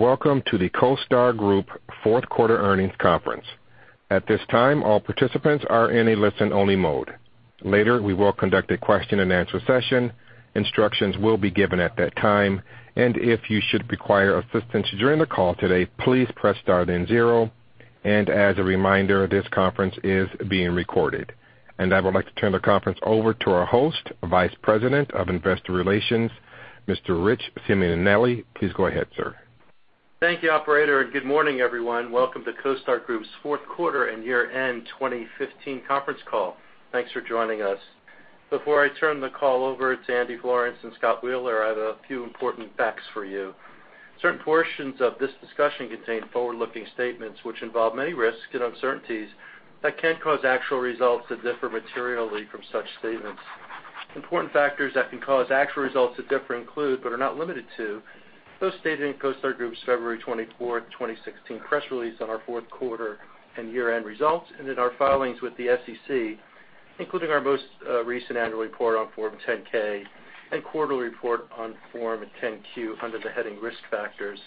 Welcome to the CoStar Group fourth quarter earnings conference. At this time, all participants are in a listen-only mode. Later, we will conduct a question and answer session. If you should require assistance during the call today, please press star then zero. As a reminder, this conference is being recorded. I would like to turn the conference over to our host, Vice President of Investor Relations, Mr. Richard Simonelli. Please go ahead, sir. Thank you, operator, and good morning, everyone. Welcome to CoStar Group's fourth quarter and year-end 2015 conference call. Thanks for joining us. Before I turn the call over to Andy Florance and Scott Wheeler, I have a few important facts for you. Certain portions of this discussion contain forward-looking statements which involve many risks and uncertainties that can cause actual results to differ materially from such statements. Important factors that can cause actual results to differ include, but are not limited to, those stated in CoStar Group's February 24th, 2016 press release on our fourth quarter and year-end results, and in our filings with the SEC, including our most recent annual report on Form 10-K and quarterly report on Form 10-Q under the heading Risk Factors.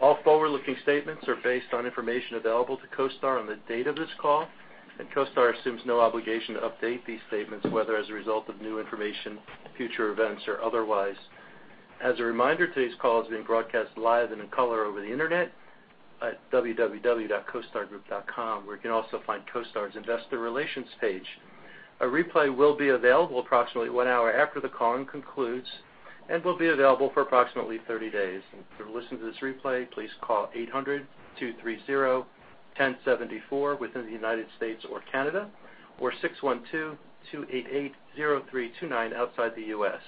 All forward-looking statements are based on information available to CoStar on the date of this call. CoStar assumes no obligation to update these statements, whether as a result of new information, future events, or otherwise. As a reminder, today's call is being broadcast live and in color over the internet at www.costargroup.com, where you can also find CoStar's investor relations page. A replay will be available approximately one hour after the call concludes and will be available for approximately 30 days. To listen to this replay, please call 800-230-1074 within the United States or Canada or 612-288-0329 outside the U.S.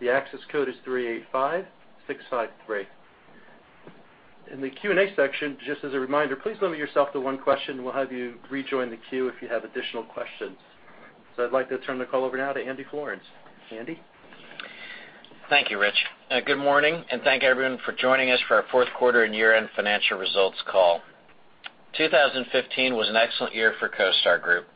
The access code is 385653. In the Q&A section, just as a reminder, please limit yourself to one question. We'll have you rejoin the queue if you have additional questions. I'd like to turn the call over now to Andy Florance. Andy? Thank you, Rich. Good morning, and thank everyone for joining us for our fourth quarter and year-end financial results call. 2015 was an excellent year for CoStar Group.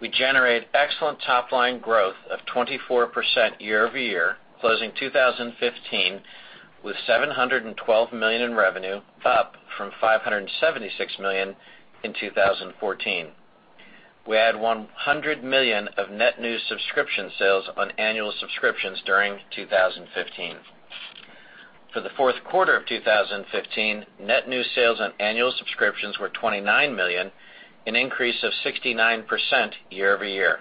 We generated excellent top-line growth of 24% year-over-year, closing 2015 with $712 million in revenue, up from $576 million in 2014. We had $100 million of net new subscription sales on annual subscriptions during 2015. For the fourth quarter of 2015, net new sales on annual subscriptions were $29 million, an increase of 69% year-over-year.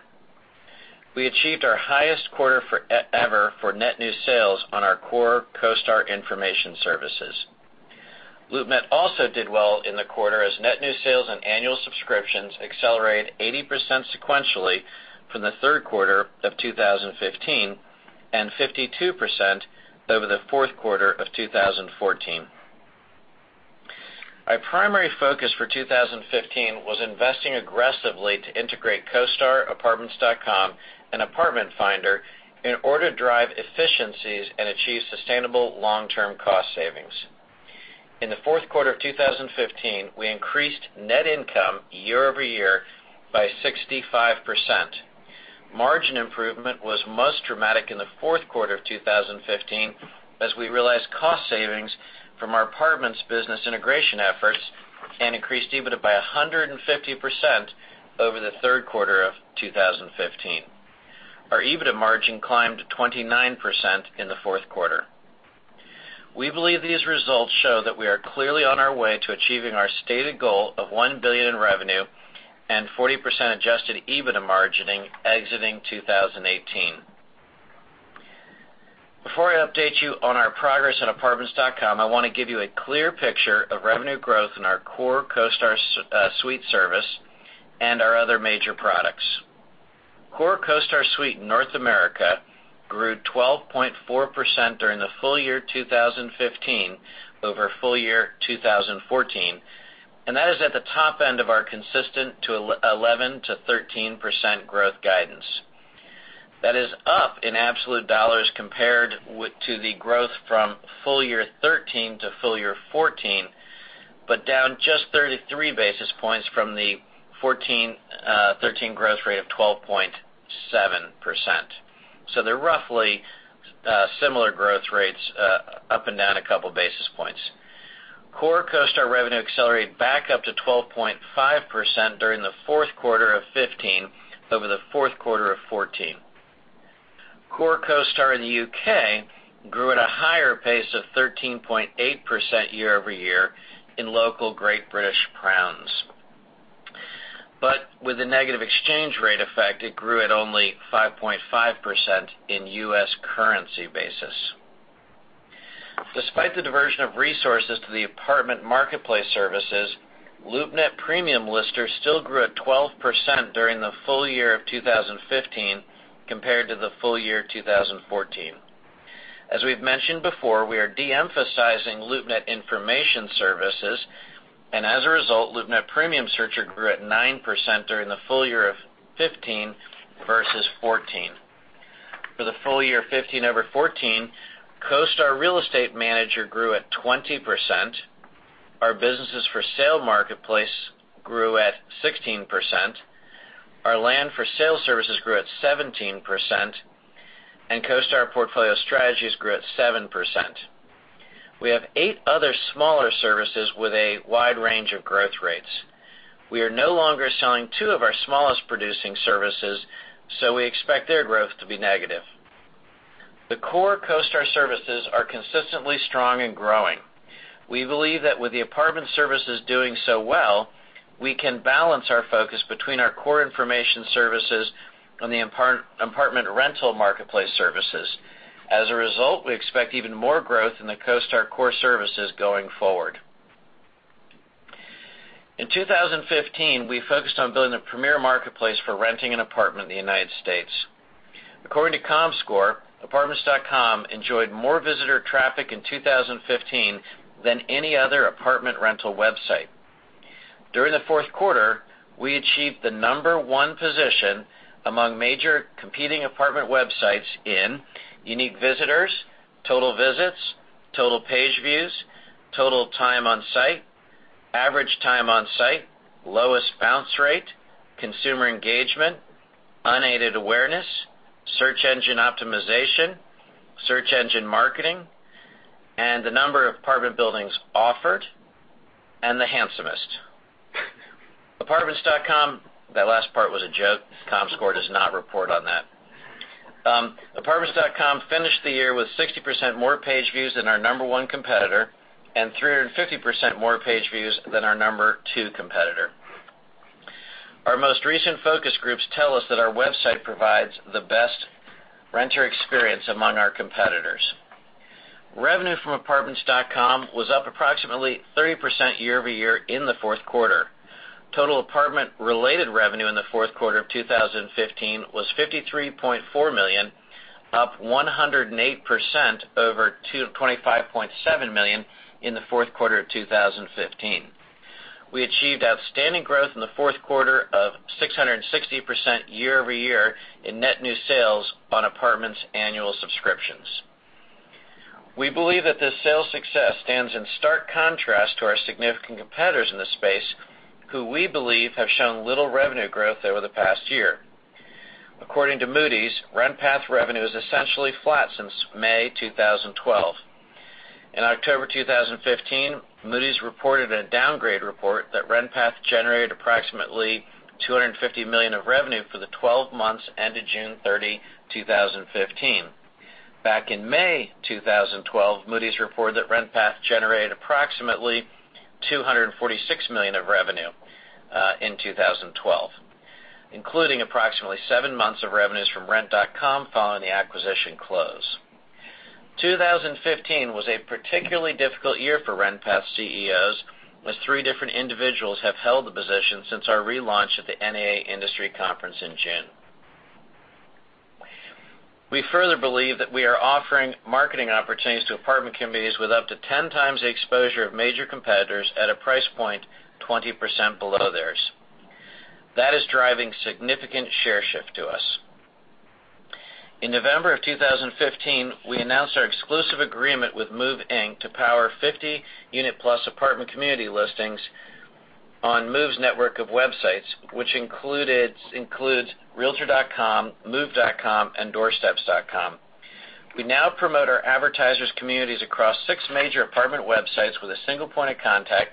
We achieved our highest quarter ever for net new sales on our core CoStar information services. LoopNet also did well in the quarter as net new sales and annual subscriptions accelerated 80% sequentially from the third quarter of 2015 and 52% over the fourth quarter of 2014. Our primary focus for 2015 was investing aggressively to integrate CoStar, Apartments.com, and Apartment Finder in order to drive efficiencies and achieve sustainable long-term cost savings. In the fourth quarter of 2015, we increased net income year-over-year by 65%. Margin improvement was most dramatic in the fourth quarter of 2015 as we realized cost savings from our apartments business integration efforts and increased EBITDA by 150% over the third quarter of 2015. Our EBITDA margin climbed to 29% in the fourth quarter. We believe these results show that we are clearly on our way to achieving our stated goal of $1 billion in revenue and 40% adjusted EBITDA margining exiting 2018. Before I update you on our progress at Apartments.com, I want to give you a clear picture of revenue growth in our core CoStar Suite service and our other major products. Core CoStar Suite in North America grew 12.4% during the full year 2015 over full year 2014, that is at the top end of our consistent 11%-13% growth guidance. That is up in absolute dollars compared to the growth from full year 2013 to full year 2014, but down just 33 basis points from the 2014, 2013 growth rate of 12.7%. They are roughly similar growth rates up and down a couple basis points. Core CoStar revenue accelerated back up to 12.5% during the fourth quarter of 2015 over the fourth quarter of 2014. Core CoStar in the U.K. grew at a higher pace of 13.8% year-over-year in local Great British pounds. With the negative exchange rate effect, it grew at only 5.5% in U.S. currency basis. Despite the diversion of resources to the apartment marketplace services, LoopNet Premium Lister still grew at 12% during the full year of 2015 compared to the full year 2014. As we have mentioned before, we are de-emphasizing LoopNet information services, as a result, LoopNet Premium Searcher grew at 9% during the full year of 2015 versus 2014. For the full year 2015 over 2014, CoStar Real Estate Manager grew at 20%. Our businesses for sale marketplace grew at 16%, our land for sale services grew at 17%, and CoStar Portfolio Strategy grew at 7%. We have eight other smaller services with a wide range of growth rates. We are no longer selling two of our smallest producing services, we expect their growth to be negative. The core CoStar services are consistently strong and growing. We believe that with the apartment services doing so well, we can balance our focus between our core information services and the apartment rental marketplace services. As a result, we expect even more growth in the CoStar core services going forward. In 2015, we focused on building a premier marketplace for renting an apartment in the U.S. According to Comscore, Apartments.com enjoyed more visitor traffic in 2015 than any other apartment rental website. During the fourth quarter, we achieved the number one position among major competing apartment websites in unique visitors, total visits, total page views, total time on site, average time on site, lowest bounce rate, consumer engagement, unaided awareness, search engine optimization, search engine marketing, and the number of apartment buildings offered, and the handsomest. Apartments.com. That last part was a joke. Comscore does not report on that. Apartments.com finished the year with 60% more page views than our number one competitor and 350% more page views than our number two competitor. Our most recent focus groups tell us that our website provides the best renter experience among our competitors. Revenue from Apartments.com was up approximately 30% year-over-year in the fourth quarter. Total apartment-related revenue in the fourth quarter of 2015 was $53.4 million, up 108% over $25.7 million in the fourth quarter of 2015. We achieved outstanding growth in the fourth quarter of 660% year-over-year in net new sales on Apartments.com's annual subscriptions. We believe that this sales success stands in stark contrast to our significant competitors in this space, who we believe have shown little revenue growth over the past year. According to Moody's, RentPath revenue is essentially flat since May 2012. In October 2015, Moody's reported a downgrade report that RentPath generated approximately $250 million of revenue for the 12 months ended June 30, 2015. Back in May 2012, Moody's reported that RentPath generated approximately $246 million of revenue in 2012, including approximately seven months of revenues from Rent.com following the acquisition close. 2015 was a particularly difficult year for RentPath CEOs, as three different individuals have held the position since our relaunch at the NAA Industry Conference in June. We further believe that we are offering marketing opportunities to apartment communities with up to 10 times the exposure of major competitors at a price point 20% below theirs. That is driving significant share shift to us. In November of 2015, we announced our exclusive agreement with Move, Inc. to power 50-unit-plus apartment community listings on Move, Inc.'s network of websites, which includes realtor.com, move.com, and doorsteps.com. We now promote our advertisers' communities across six major apartment websites with a single point of contact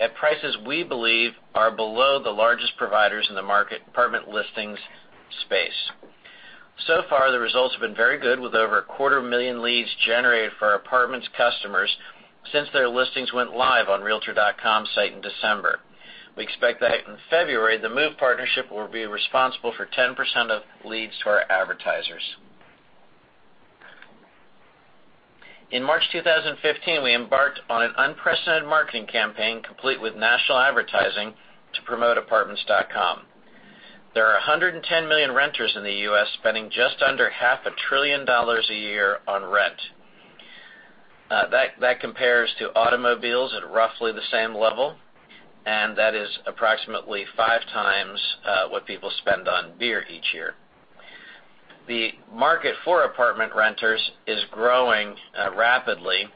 at prices we believe are below the largest providers in the market apartment listings space. So far, the results have been very good, with over a quarter million leads generated for our Apartments.com customers since their listings went live on realtor.com site in December. We expect that in February, the Move, Inc. partnership will be responsible for 10% of leads to our advertisers. In March 2015, we embarked on an unprecedented marketing campaign, complete with national advertising, to promote Apartments.com. There are 110 million renters in the U.S. spending just under half a trillion dollars a year on rent. That compares to automobiles at roughly the same level, and that is approximately five times what people spend on beer each year. The market for apartment renters is growing rapidly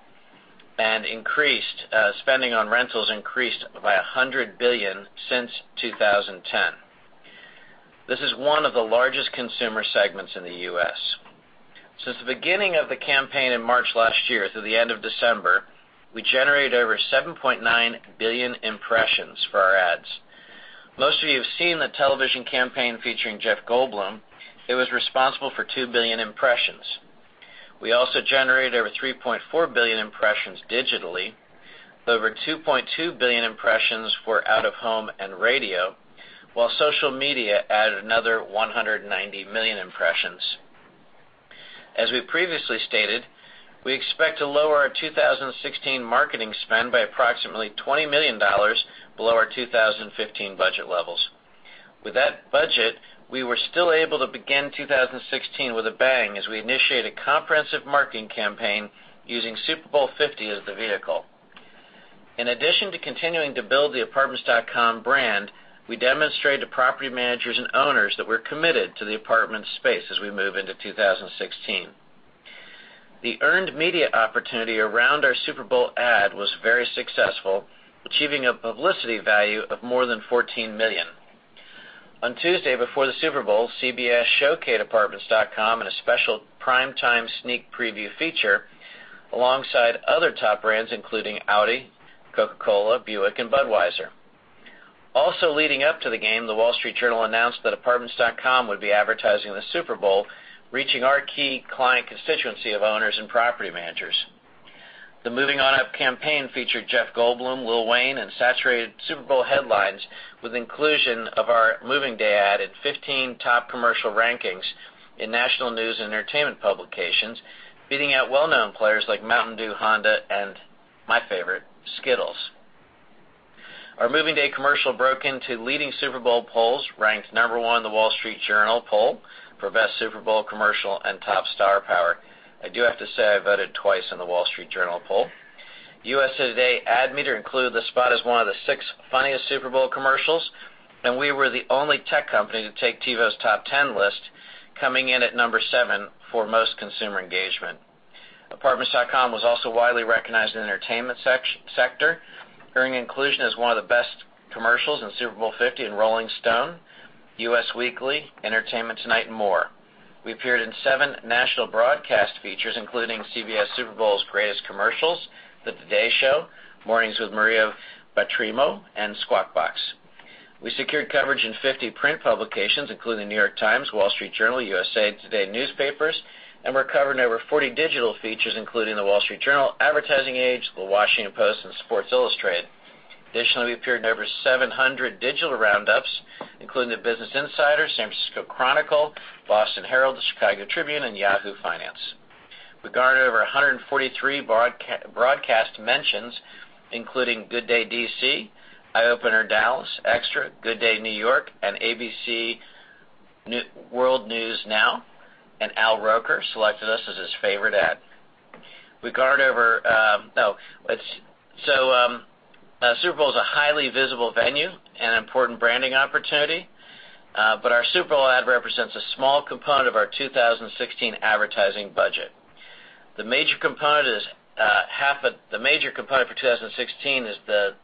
and spending on rentals increased by $100 billion since 2010. This is one of the largest consumer segments in the U.S. Since the beginning of the campaign in March last year through the end of December, we generated over 7.9 billion impressions for our ads. Most of you have seen the television campaign featuring Jeff Goldblum. It was responsible for 2 billion impressions. We also generated over 3.4 billion impressions digitally, over 2.2 billion impressions for out-of-home and radio, while social media added another 190 million impressions. As we previously stated, we expect to lower our 2016 marketing spend by approximately $20 million below our 2015 budget levels. With that budget, we were still able to begin 2016 with a bang as we initiate a comprehensive marketing campaign using Super Bowl 50 as the vehicle. In addition to continuing to build the Apartments.com brand, we demonstrate to property managers and owners that we're committed to the apartment space as we move into 2016. The earned media opportunity around our Super Bowl ad was very successful, achieving a publicity value of more than $14 million. On Tuesday, before the Super Bowl, CBS showcased Apartments.com in a special prime-time sneak preview feature alongside other top brands including Audi, Coca-Cola, Buick, and Budweiser. Leading up to the game, The Wall Street Journal announced that Apartments.com would be advertising the Super Bowl, reaching our key client constituency of owners and property managers. The Moving on Up campaign featured Jeff Goldblum, Lil Wayne, and saturated Super Bowl headlines with inclusion of our moving day ad at 15 top commercial rankings in national news and entertainment publications, beating out well-known players like Mountain Dew, Honda, and my favorite, Skittles. Our moving day commercial broke into leading Super Bowl polls, ranked number 1 in The Wall Street Journal poll for best Super Bowl commercial and top star power. I do have to say, I voted twice in The Wall Street Journal poll. USA Today Ad Meter included the spot as one of the six funniest Super Bowl commercials, and we were the only tech company to take TiVo's top 10 list, coming in at number 7 for most consumer engagement. Apartments.com was also widely recognized in the entertainment sector, earning inclusion as one of the best commercials in Super Bowl 50 in Rolling Stone, Us Weekly, Entertainment Tonight, and more. We appeared in seven national broadcast features, including CBS Super Bowl's Greatest Commercials, The Today Show, Mornings with Maria Bartiromo, and Squawk Box. We secured coverage in 50 print publications, including New York Times, Wall Street Journal, USA Today newspapers, and were covered in over 40 digital features, including The Wall Street Journal, Advertising Age, The Washington Post, and Sports Illustrated. We appeared in over 700 digital roundups, including the Business Insider, San Francisco Chronicle, Boston Herald, the Chicago Tribune, and Yahoo Finance. We garnered over 143 broadcast mentions, including Good Day D.C., Eye Opener Dallas, Extra, Good Day New York, and ABC World News Now, and Al Roker selected us as his favorite ad. Super Bowl is a highly visible venue and an important branding opportunity. But our Super Bowl ad represents a small component of our 2016 advertising budget. The major component for 2016 is the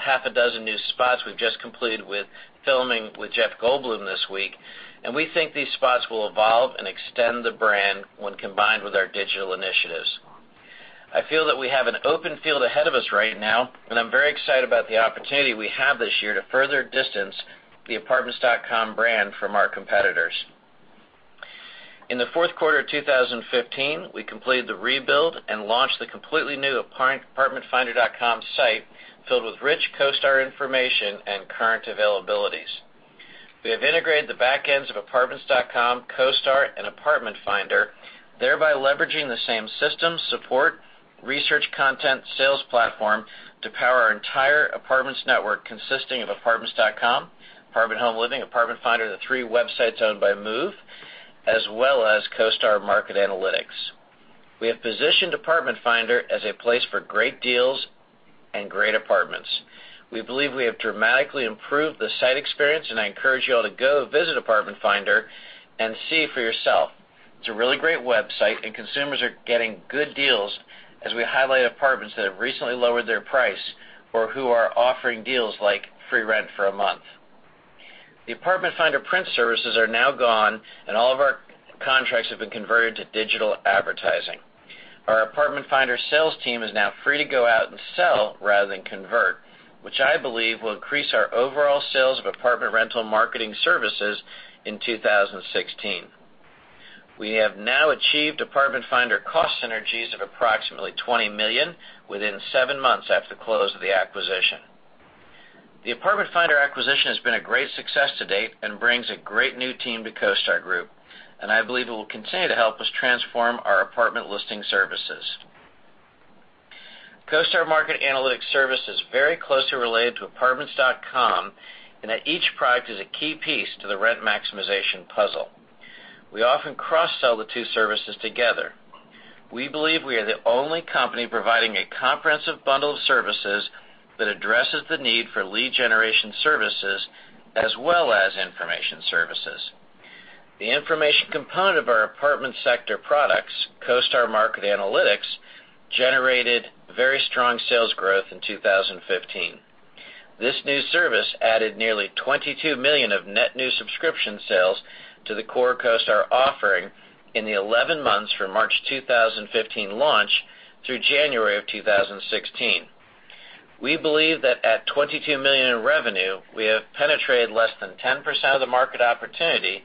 half a dozen new spots we've just completed with filming with Jeff Goldblum this week, and we think these spots will evolve and extend the brand when combined with our digital initiatives. I feel that we have an open field ahead of us right now, and I'm very excited about the opportunity we have this year to further distance the Apartments.com brand from our competitors. In the fourth quarter of 2015, we completed the rebuild and launched the completely new apartmentfinder.com site, filled with rich CoStar information and current availabilities. We have integrated the back ends of Apartments.com, CoStar, and Apartment Finder, thereby leveraging the same system, support, research content, sales platform to power our entire apartments network, consisting of Apartments.com, Apartment Home Living, Apartment Finder, the three websites owned by Move, as well as CoStar Market Analytics. We have positioned Apartment Finder as a place for great deals and great apartments. We believe we have dramatically improved the site experience, and I encourage you all to go visit Apartment Finder and see for yourself. It is a really great website, and consumers are getting good deals as we highlight apartments that have recently lowered their price or who are offering deals like free rent for a month. The Apartment Finder print services are now gone, and all of our contracts have been converted to digital advertising. Our Apartment Finder sales team is now free to go out and sell rather than convert, which I believe will increase our overall sales of apartment rental marketing services in 2016. We have now achieved Apartment Finder cost synergies of approximately $20 million within seven months after close of the acquisition. The Apartment Finder acquisition has been a great success to date and brings a great new team to CoStar Group. I believe it will continue to help us transform our apartment listing services. CoStar Market Analytics service is very closely related to Apartments.com in that each product is a key piece to the rent maximization puzzle. We often cross-sell the two services together. We believe we are the only company providing a comprehensive bundle of services that addresses the need for lead generation services as well as information services. The information component of our apartment sector products, CoStar Market Analytics, generated very strong sales growth in 2015. This new service added nearly $22 million of net new subscription sales to the core CoStar offering in the 11 months from March 2015 launch through January of 2016. We believe that at $22 million in revenue, we have penetrated less than 10% of the market opportunity.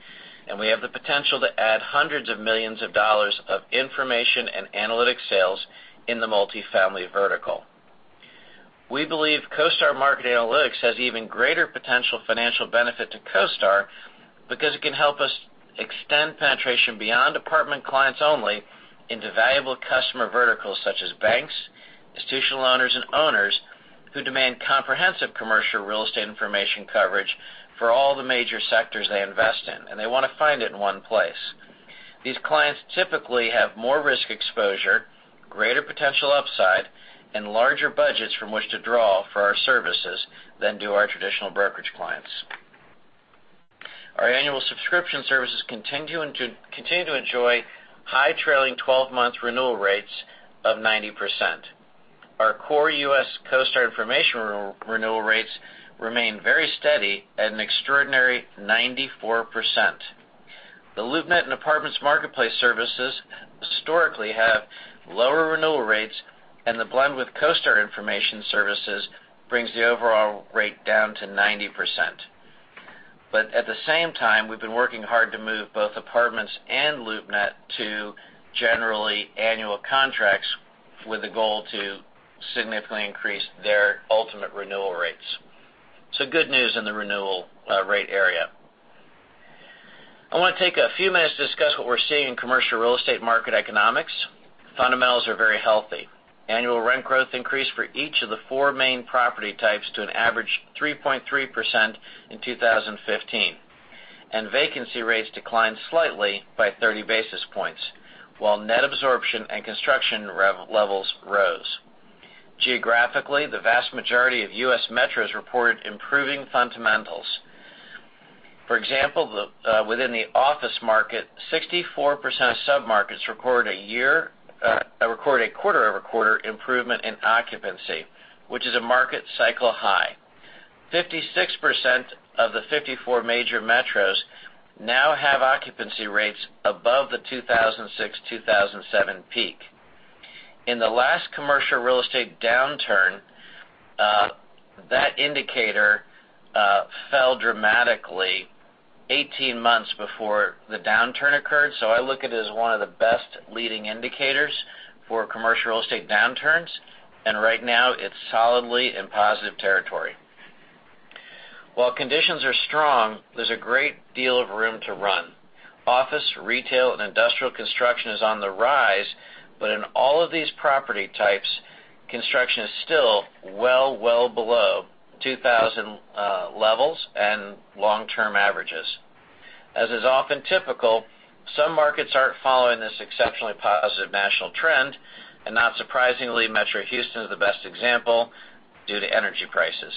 We have the potential to add hundreds of millions of dollars of information and analytics sales in the multifamily vertical. We believe CoStar Market Analytics has even greater potential financial benefit to CoStar because it can help us extend penetration beyond apartment clients-only into valuable customer verticals such as banks, institutional owners, and owners who demand comprehensive commercial real estate information coverage for all the major sectors they invest in, and they want to find it in one place. These clients typically have more risk exposure, greater potential upside, and larger budgets from which to draw for our services than do our traditional brokerage clients. Our annual subscription services continue to enjoy high trailing 12-month renewal rates of 90%. Our core U.S. CoStar information renewal rates remain very steady at an extraordinary 94%. The LoopNet and Apartments Marketplace services historically have lower renewal rates. The blend with CoStar Information Services brings the overall rate down to 90%. At the same time, we have been working hard to move both apartments and LoopNet to generally annual contracts with a goal to significantly increase their ultimate renewal rates. Good news in the renewal rate area. I want to take a few minutes to discuss what we are seeing in commercial real estate market economics. Fundamentals are very healthy. Annual rent growth increased for each of the four main property types to an average 3.3% in 2015. Vacancy rates declined slightly by 30 basis points, while net absorption and construction levels rose. Geographically, the vast majority of U.S. metros reported improving fundamentals. For example, within the office market, 64% of submarkets recorded a quarter-over-quarter improvement in occupancy, which is a market cycle high. 56% of the 54 major metros now have occupancy rates above the 2006, 2007 peak. In the last commercial real estate downturn, that indicator fell dramatically 18 months before the downturn occurred. I look at it as one of the best leading indicators for commercial real estate downturns, and right now it's solidly in positive territory. While conditions are strong, there's a great deal of room to run. Office, retail, and industrial construction is on the rise. In all of these property types, construction is still well below 2000 levels and long-term averages. As is often typical, some markets aren't following this exceptionally positive national trend, and not surprisingly, Metro Houston is the best example due to energy prices.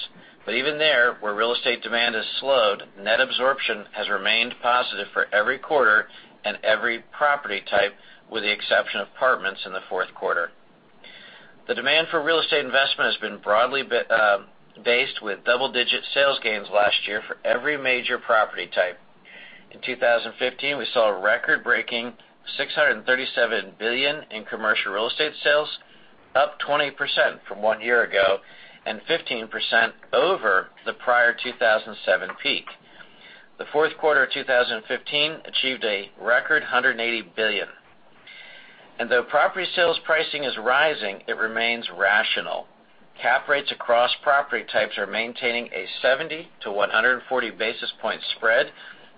Even there, where real estate demand has slowed, net absorption has remained positive for every quarter and every property type, with the exception of apartments in the fourth quarter. The demand for real estate investment has been broadly based with double-digit sales gains last year for every major property type. In 2015, we saw a record-breaking $637 billion in commercial real estate sales, up 20% from one year ago, and 15% over the prior 2007 peak. The fourth quarter of 2015 achieved a record $180 billion. Though property sales pricing is rising, it remains rational. Cap rates across property types are maintaining a 70- to 140-basis-point spread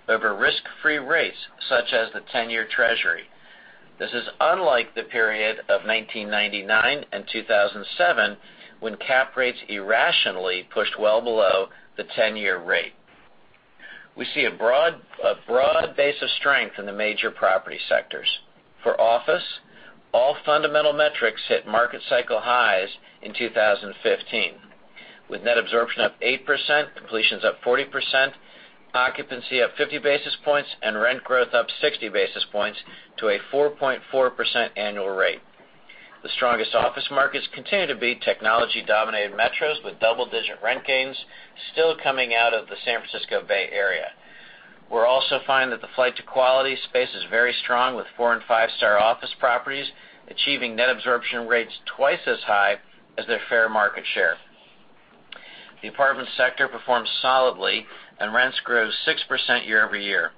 over risk-free rates, such as the 10-year Treasury. This is unlike the period of 1999 and 2007, when cap rates irrationally pushed well below the 10-year rate. We see a broad base of strength in the major property sectors. For office, all fundamental metrics hit market cycle highs in 2015, with net absorption up 8%, completions up 40%, occupancy up 50 basis points, and rent growth up 60 basis points to a 4.4% annual rate. The strongest office markets continue to be technology-dominated metros with double-digit rent gains still coming out of the San Francisco Bay Area, where also find that the flight to quality space is very strong, with four and five-star office properties achieving net absorption rates twice as high as their fair market share. The apartment sector performed solidly, and rents grew 6% year-over-year.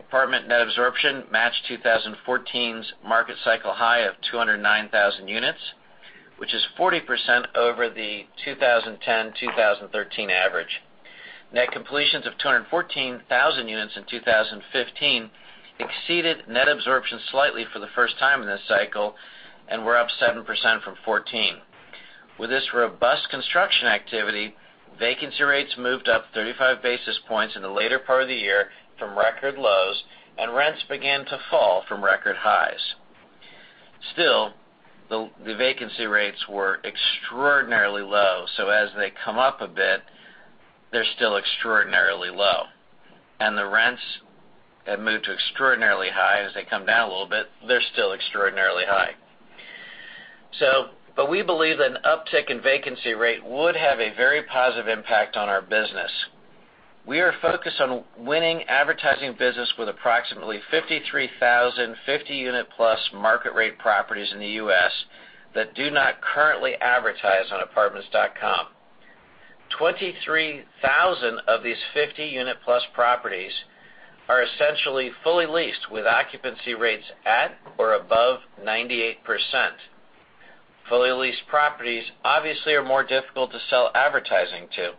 Apartment net absorption matched 2014's market cycle high of 209,000 units, which is 40% over the 2010-2013 average. Net completions of 214,000 units in 2015 exceeded net absorption slightly for the first time in this cycle and were up 7% from 2014. With this robust construction activity, vacancy rates moved up 35 basis points in the later part of the year from record lows, and rents began to fall from record highs. Still, the vacancy rates were extraordinarily low. As they come up a bit, they're still extraordinarily low. The rents have moved to extraordinarily high. As they come down a little bit, they're still extraordinarily high. We believe that an uptick in vacancy rate would have a very positive impact on our business. We are focused on winning advertising business with approximately 53,000 50-unit-plus market rate properties in the U.S. that do not currently advertise on Apartments.com. 23,000 of these 50-unit-plus properties are essentially fully leased, with occupancy rates at or above 98%. Fully leased properties obviously are more difficult to sell advertising to.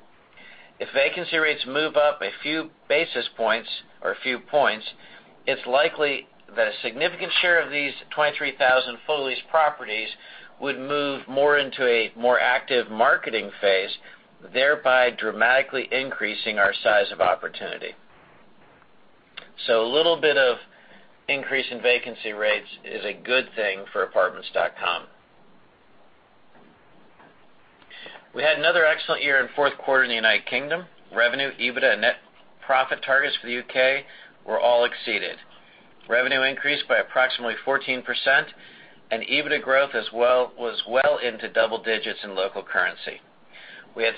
If vacancy rates move up a few basis points or a few points, it's likely that a significant share of these 23,000 fully leased properties would move more into a more active marketing phase, thereby dramatically increasing our size of opportunity. A little bit of increase in vacancy rates is a good thing for Apartments.com. We had another excellent year in fourth quarter in the U.K. Revenue, EBITDA, and net profit targets for the U.K. were all exceeded. Revenue increased by approximately 14%, and EBITDA growth was well into double digits in local currency. We had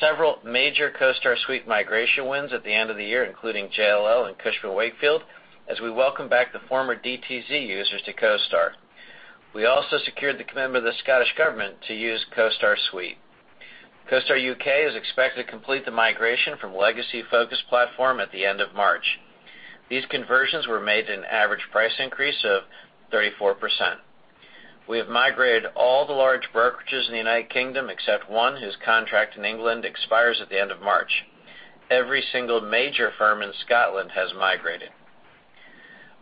several major CoStar Suite migration wins at the end of the year, including JLL and Cushman & Wakefield, as we welcome back the former DTZ users to CoStar. We also secured the commitment of the Scottish Government to use CoStar Suite. CoStar U.K. is expected to complete the migration from legacy Focus platform at the end of March. These conversions were made at an average price increase of 34%. We have migrated all the large brokerages in the U.K. except one, whose contract in England expires at the end of March. Every single major firm in Scotland has migrated.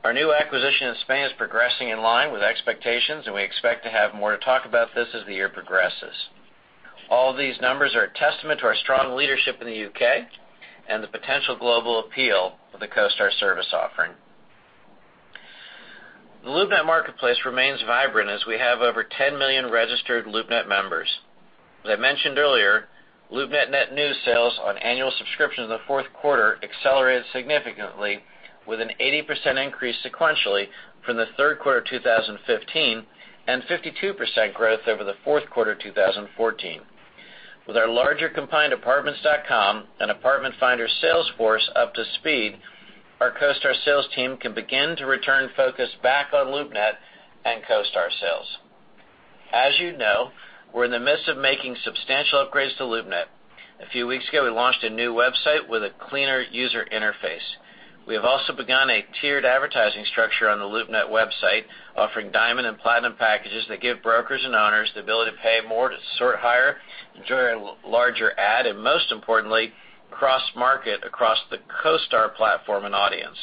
Our new acquisition in Spain is progressing in line with expectations, and we expect to have more to talk about this as the year progresses. All these numbers are a testament to our strong leadership in the U.K. and the potential global appeal of the CoStar service offering. The LoopNet marketplace remains vibrant as we have over 10 million registered LoopNet members. As I mentioned earlier, LoopNet net new sales on annual subscriptions in the fourth quarter accelerated significantly with an 80% increase sequentially from the third quarter 2015 and 52% growth over the fourth quarter 2014. With our larger combined Apartments.com and Apartment Finder sales force up to speed, our CoStar sales team can begin to return focus back on LoopNet and CoStar sales. As you know, we're in the midst of making substantial upgrades to LoopNet. A few weeks ago, we launched a new website with a cleaner user interface. We have also begun a tiered advertising structure on the LoopNet website, offering diamond and platinum packages that give brokers and owners the ability to pay more to sort higher, enjoy a larger ad, and most importantly, cross-market across the CoStar platform and audience.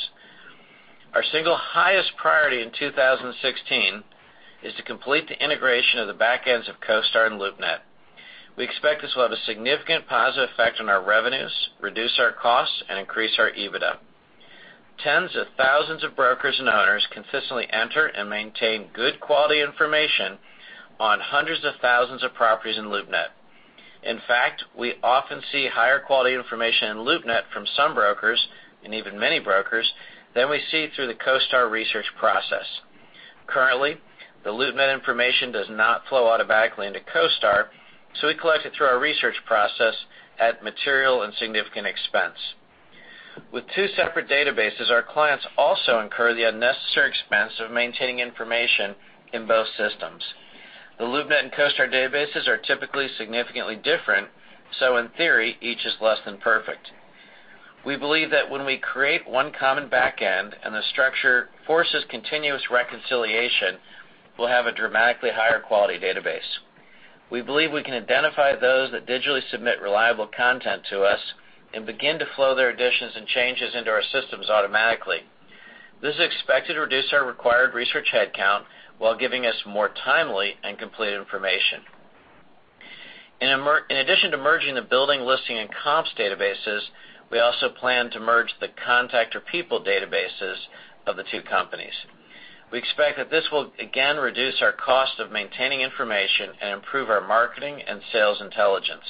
Our single highest priority in 2016 is to complete the integration of the back ends of CoStar and LoopNet. We expect this will have a significant positive effect on our revenues, reduce our costs, and increase our EBITDA. Tens of thousands of brokers and owners consistently enter and maintain good quality information on hundreds of thousands of properties in LoopNet. In fact, we often see higher quality information in LoopNet from some brokers, and even many brokers, than we see through the CoStar research process. Currently, the LoopNet information does not flow automatically into CoStar. We collect it through our research process at material and significant expense. With two separate databases, our clients also incur the unnecessary expense of maintaining information in both systems. The LoopNet and CoStar databases are typically significantly different. In theory, each is less than perfect. We believe that when we create one common back end and the structure forces continuous reconciliation, we'll have a dramatically higher quality database. We believe we can identify those that digitally submit reliable content to us and begin to flow their additions and changes into our systems automatically. This is expected to reduce our required research headcount while giving us more timely and complete information. In addition to merging the building listing and comps databases, we also plan to merge the contact or people databases of the two companies. We expect that this will again reduce our cost of maintaining information and improve our marketing and sales intelligence.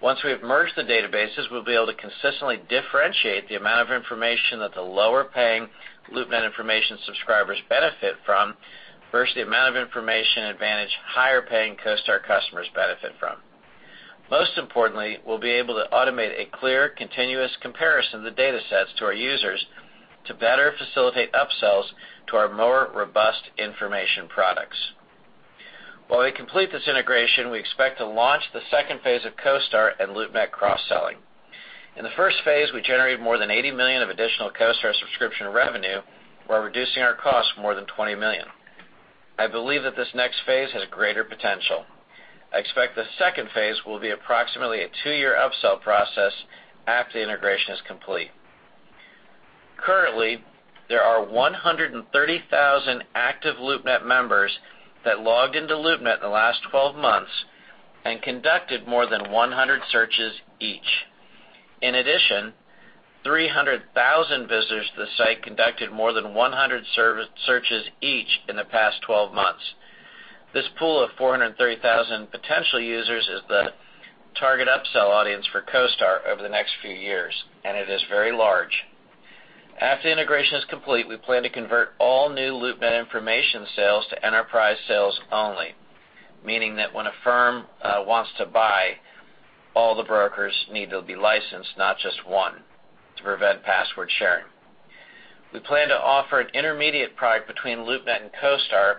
Once we have merged the databases, we'll be able to consistently differentiate the amount of information that the lower-paying LoopNet information subscribers benefit from versus the amount of information advantage higher-paying CoStar customers benefit from. Most importantly, we'll be able to automate a clear, continuous comparison of the data sets to our users to better facilitate upsells to our more robust information products. While we complete this integration, we expect to launch the second phase of CoStar and LoopNet cross-selling. In the first phase, we generated more than $80 million of additional CoStar subscription revenue while reducing our costs more than $20 million. I believe that this next phase has greater potential. I expect the second phase will be approximately a two-year upsell process after the integration is complete. Currently, there are 130,000 active LoopNet members that logged into LoopNet in the last 12 months and conducted more than 100 searches each. In addition, 300,000 visitors to the site conducted more than 100 searches each in the past 12 months. This pool of 430,000 potential users is the target upsell audience for CoStar over the next few years, and it is very large. After the integration is complete, we plan to convert all new LoopNet information sales to enterprise sales only, meaning that when a firm wants to buy, all the brokers need to be licensed, not just one, to prevent password sharing. We plan to offer an intermediate product between LoopNet and CoStar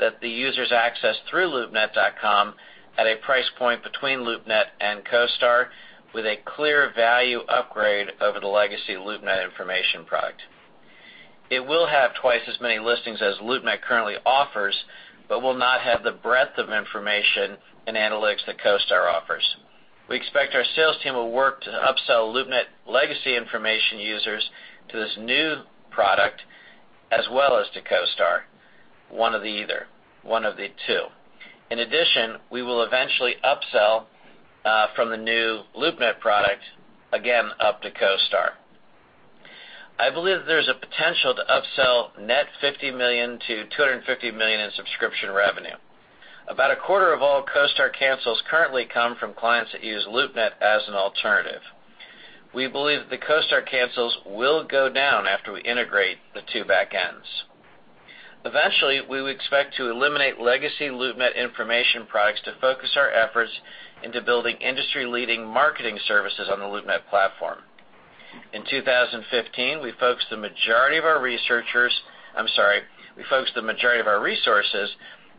that the users access through loopnet.com at a price point between LoopNet and CoStar with a clear value upgrade over the legacy LoopNet information product. It will have twice as many listings as LoopNet currently offers but will not have the breadth of information and analytics that CoStar offers. We expect our sales team will work to upsell LoopNet legacy information users to this new product, as well as to CoStar, one of the two. In addition, we will eventually upsell from the new LoopNet product, again up to CoStar. I believe that there's a potential to upsell net $50 million-$250 million in subscription revenue. About a quarter of all CoStar cancels currently come from clients that use LoopNet as an alternative. We believe that the CoStar cancels will go down after we integrate the two backends. Eventually, we would expect to eliminate legacy LoopNet information products to focus our efforts into building industry-leading marketing services on the LoopNet platform. In 2015, we focused the majority of our resources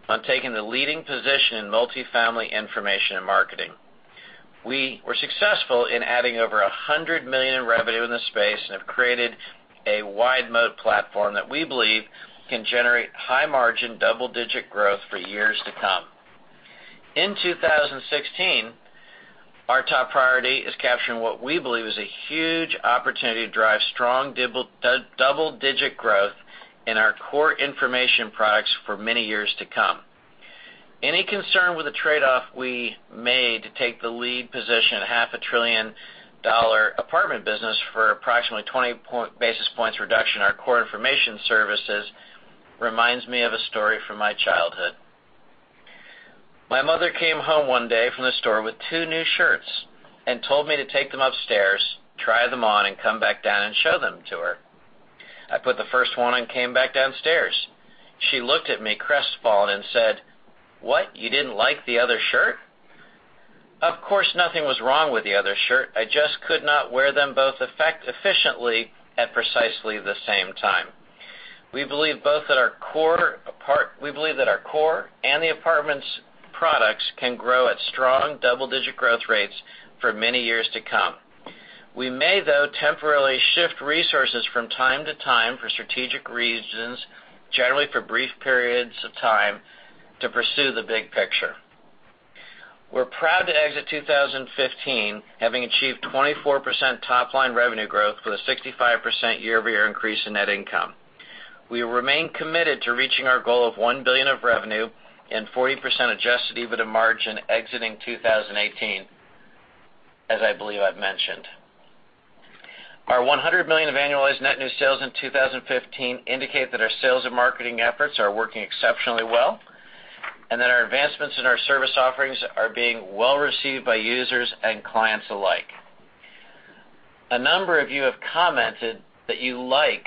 on taking the leading position in multifamily information and marketing. We were successful in adding over $100 million in revenue in the space and have created a wide moat platform that we believe can generate high margin, double-digit growth for years to come. In 2016, our top priority is capturing what we believe is a huge opportunity to drive strong double-digit growth in our core information products for many years to come. Any concern with the trade-off we made to take the lead position in a half a trillion dollar apartment business for approximately 20 basis points reduction in our core information services reminds me of a story from my childhood. My mother came home one day from the store with two new shirts and told me to take them upstairs, try them on, and come back down and show them to her. I put the first one on and came back downstairs. She looked at me crestfallen and said, "What. You didn't like the other shirt." Of course, nothing was wrong with the other shirt. I just could not wear them both efficiently at precisely the same time. We believe that our core and the apartments products can grow at strong double-digit growth rates for many years to come. We may, though, temporarily shift resources from time to time for strategic reasons, generally for brief periods of time to pursue the big picture. We're proud to exit 2015 having achieved 24% top-line revenue growth with a 65% year-over-year increase in net income. We remain committed to reaching our goal of $1 billion of revenue and 40% adjusted EBITDA margin exiting 2018, as I believe I've mentioned. Our $100 million of annualized net new sales in 2015 indicate that our sales and marketing efforts are working exceptionally well, and that our advancements in our service offerings are being well-received by users and clients alike. A number of you have commented that you like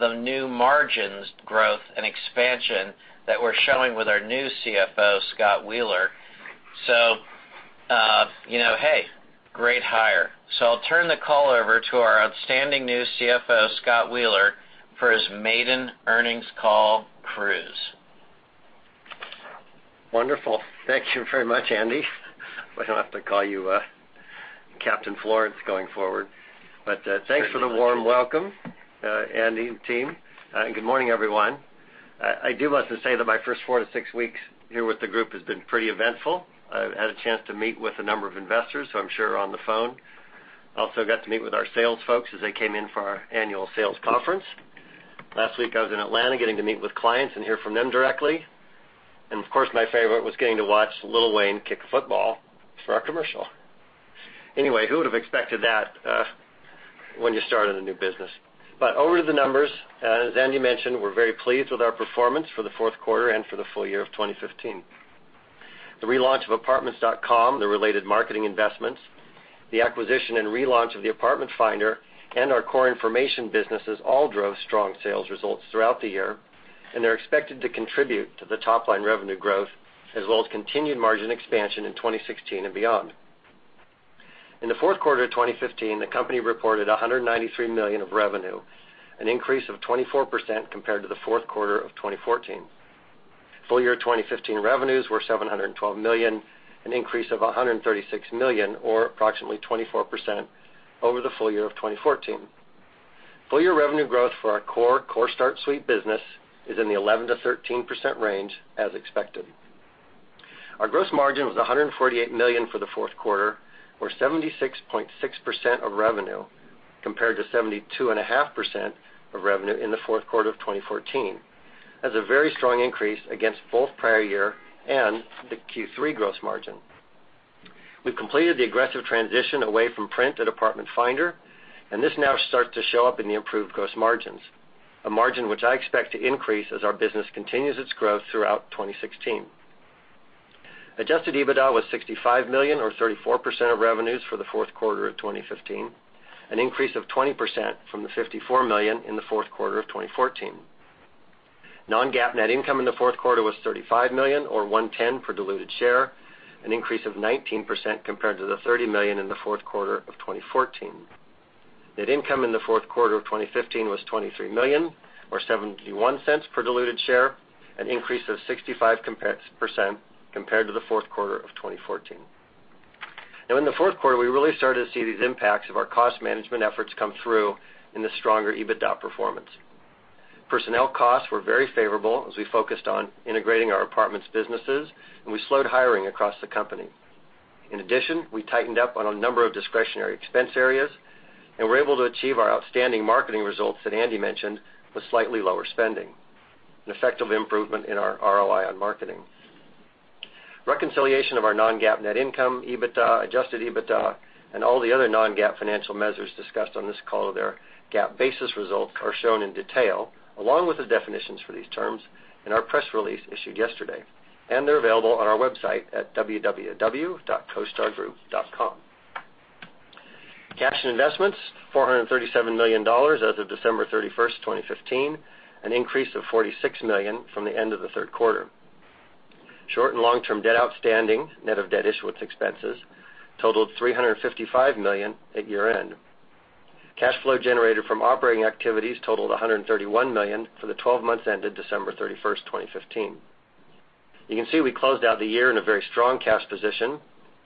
the new margins growth and expansion that we're showing with our new CFO, Scott Wheeler. Hey, great hire. I'll turn the call over to our outstanding new CFO, Scott Wheeler, for his maiden earnings call cruise. Wonderful. Thank you very much, Andy. We're going to have to call you Andrew Florance going forward. Thanks for the warm welcome, Andy and team. Good morning, everyone. I do want to say that my first four to six weeks here with the group has been pretty eventful. I've had a chance to meet with a number of investors who I'm sure are on the phone. Also got to meet with our sales folks as they came in for our annual sales conference. Last week, I was in Atlanta getting to meet with clients and hear from them directly. Of course, my favorite was getting to watch Lil Wayne kick a football for our commercial. Anyway, who would've expected that when you're starting a new business? Over to the numbers. As Andy mentioned, we're very pleased with our performance for the fourth quarter and for the full year of 2015. The relaunch of Apartments.com, the related marketing investments, the acquisition and relaunch of the Apartment Finder, and our core information businesses all drove strong sales results throughout the year, and they're expected to contribute to the top-line revenue growth, as well as continued margin expansion in 2016 and beyond. In the fourth quarter of 2015, the company reported $193 million of revenue, an increase of 24% compared to the fourth quarter of 2014. Full year 2015 revenues were $712 million, an increase of $136 million, or approximately 24% over the full year of 2014. Full-year revenue growth for our core CoStar Suite business is in the 11%-13% range, as expected. Our gross margin was $148 million for the fourth quarter, or 76.6% of revenue, compared to 72.5% of revenue in the fourth quarter of 2014. That's a very strong increase against both prior year and the Q3 gross margin. We've completed the aggressive transition away from print at Apartment Finder, and this now starts to show up in the improved gross margins, a margin which I expect to increase as our business continues its growth throughout 2016. Adjusted EBITDA was $65 million, or 34% of revenues for the fourth quarter of 2015, an increase of 20% from the $54 million in the fourth quarter of 2014. non-GAAP net income in the fourth quarter was $35 million, or $1.10 per diluted share, an increase of 19% compared to the $30 million in the fourth quarter of 2014. Net income in the fourth quarter of 2015 was $23 million, or $0.71 per diluted share, an increase of 65% compared to the fourth quarter of 2014. Now in the fourth quarter, we really started to see these impacts of our cost management efforts come through in the stronger EBITDA performance. Personnel costs were very favorable as we focused on integrating our apartments businesses, and we slowed hiring across the company. In addition, we tightened up on a number of discretionary expense areas, and were able to achieve our outstanding marketing results that Andy mentioned with slightly lower spending, an effective improvement in our ROI on marketing. Reconciliation of our non-GAAP net income, EBITDA, adjusted EBITDA, and all the other non-GAAP financial measures discussed on this call, their GAAP-basis results are shown in detail, along with the definitions for these terms in our press release issued yesterday, and they're available on our website at www.costargroup.com. Cash and investments, $437 million as of December 31, 2015, an increase of $46 million from the end of the third quarter. Short- and long-term debt outstanding, net of debt issuance expenses, totaled $355 million at year-end. Cash flow generated from operating activities totaled $131 million for the 12 months ended December 31, 2015. You can see we closed out the year in a very strong cash position,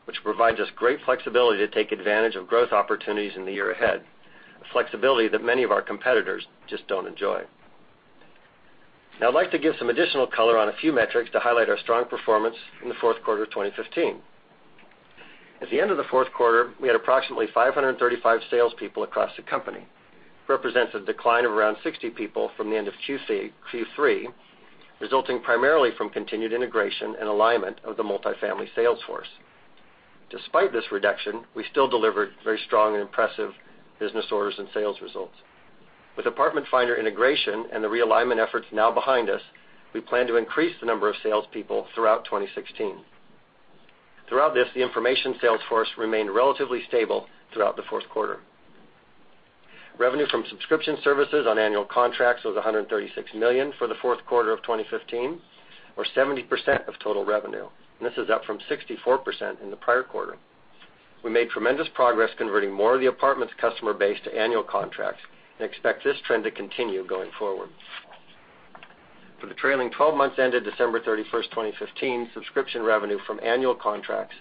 which provides us great flexibility to take advantage of growth opportunities in the year ahead, a flexibility that many of our competitors just don't enjoy. It represents a decline of around 60 people from the end of Q3, resulting primarily from continued integration and alignment of the multifamily sales force. Despite this reduction, we still delivered very strong and impressive business orders and sales results. With Apartment Finder integration and the realignment efforts now behind us, we plan to increase the number of salespeople throughout 2016. Throughout this, the information sales force remained relatively stable throughout the fourth quarter. Revenue from subscription services on annual contracts was $136 million for the fourth quarter of 2015, or 70% of total revenue. This is up from 64% in the prior quarter. We made tremendous progress converting more of the Apartments.com customer base to annual contracts and expect this trend to continue going forward. For the trailing 12 months ended December 31, 2015, subscription revenue from annual contracts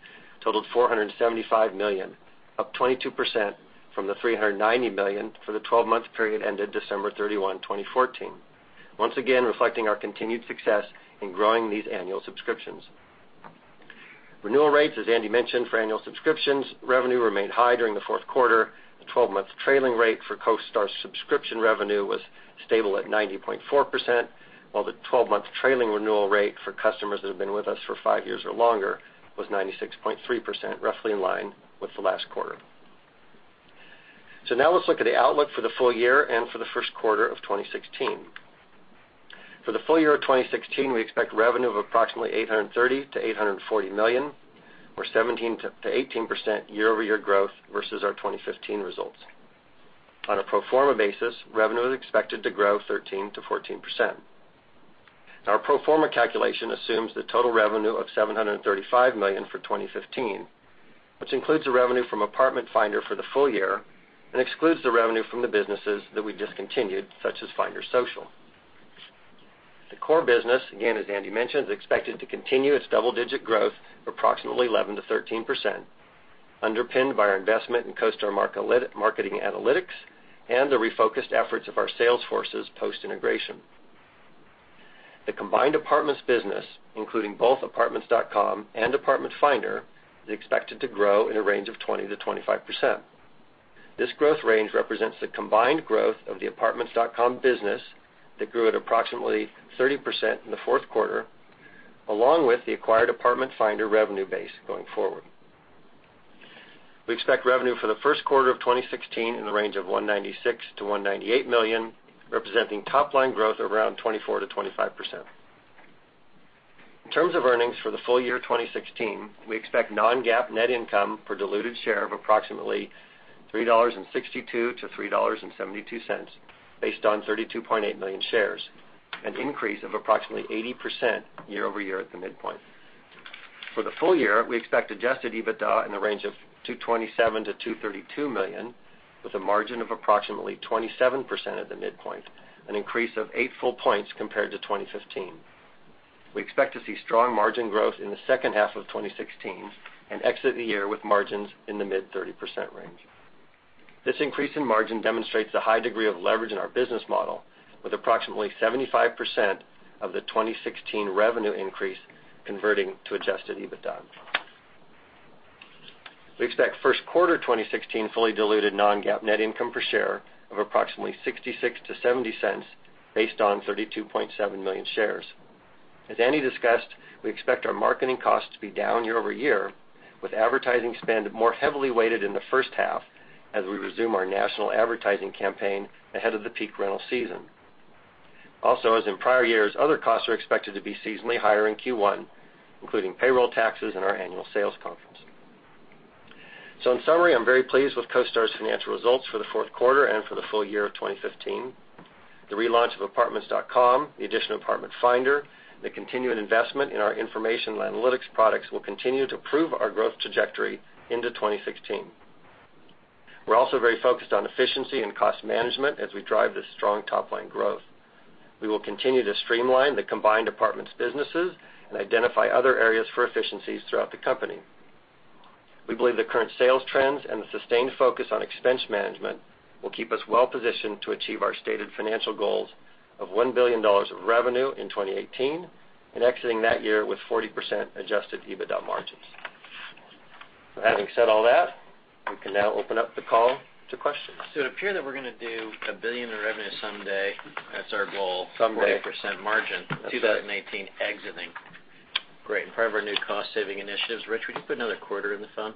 totaled $475 million, up 22% from the $390 million for the 12-month period ended December 31, 2014. Once again, reflecting our continued success in growing these annual subscriptions. Renewal rates, as Andy mentioned, for annual subscriptions revenue remained high during the fourth quarter. The 12-month trailing rate for CoStar subscription revenue was stable at 90.4%, while the 12-month trailing renewal rate for customers that have been with us for five years or longer was 96.3%, roughly in line with the last quarter. Now let's look at the outlook for the full year and for the first quarter of 2016. For the full year of 2016, we expect revenue of approximately $830 million-$840 million, or 17%-18% year-over-year growth versus our 2015 results. On a pro forma basis, revenue is expected to grow 13%-14%. Our pro forma calculation assumes the total revenue of $735 million for 2015, which includes the revenue from Apartment Finder for the full year and excludes the revenue from the businesses that we've discontinued, such as Finder Social. The core business, again, as Andy mentioned, is expected to continue its double-digit growth of approximately 11%-13%, underpinned by our investment in CoStar Market Analytics and the refocused efforts of our sales forces post-integration. The combined apartments business, including both apartments.com and Apartment Finder, is expected to grow in a range of 20%-25%. This growth range represents the combined growth of the Apartments.com business that grew at approximately 30% in the fourth quarter, along with the acquired Apartment Finder revenue base going forward. We expect revenue for the first quarter of 2016 in the range of $196 million-$198 million, representing top-line growth of around 24%-25%. In terms of earnings for the full year 2016, we expect non-GAAP net income per diluted share of approximately $3.62-$3.72, based on 32.8 million shares, an increase of approximately 80% year-over-year at the midpoint. For the full year, we expect adjusted EBITDA in the range of $227 million-$232 million, with a margin of approximately 27% at the midpoint, an increase of eight full points compared to 2015. We expect to see strong margin growth in the second half of 2016 and exit the year with margins in the mid-30% range. This increase in margin demonstrates the high degree of leverage in our business model, with approximately 75% of the 2016 revenue increase converting to adjusted EBITDA. We expect first quarter 2016 fully diluted non-GAAP net income per share of approximately $0.66-$0.70 based on 32.7 million shares. As Andy discussed, we expect our marketing costs to be down year-over-year, with advertising spend more heavily weighted in the first half as we resume our national advertising campaign ahead of the peak rental season. Also, as in prior years, other costs are expected to be seasonally higher in Q1, including payroll taxes and our annual sales conference. In summary, I'm very pleased with CoStar's financial results for the fourth quarter and for the full year of 2015. The relaunch of Apartments.com, the addition of Apartment Finder, the continued investment in our information analytics products will continue to prove our growth trajectory into 2016. We're also very focused on efficiency and cost management as we drive this strong top-line growth. We will continue to streamline the combined apartments businesses and identify other areas for efficiencies throughout the company. We believe the current sales trends and the sustained focus on expense management will keep us well positioned to achieve our stated financial goals of $1 billion of revenue in 2018 and exiting that year with 40% adjusted EBITDA margins. Having said all that, we can now open up the call to questions. It appear that we're going to do $1 billion in revenue someday. That's our goal. Someday. 40% margin, 2019 exiting. Great. Part of our new cost-saving initiatives. Rich, would you put another $0.25 in the phone?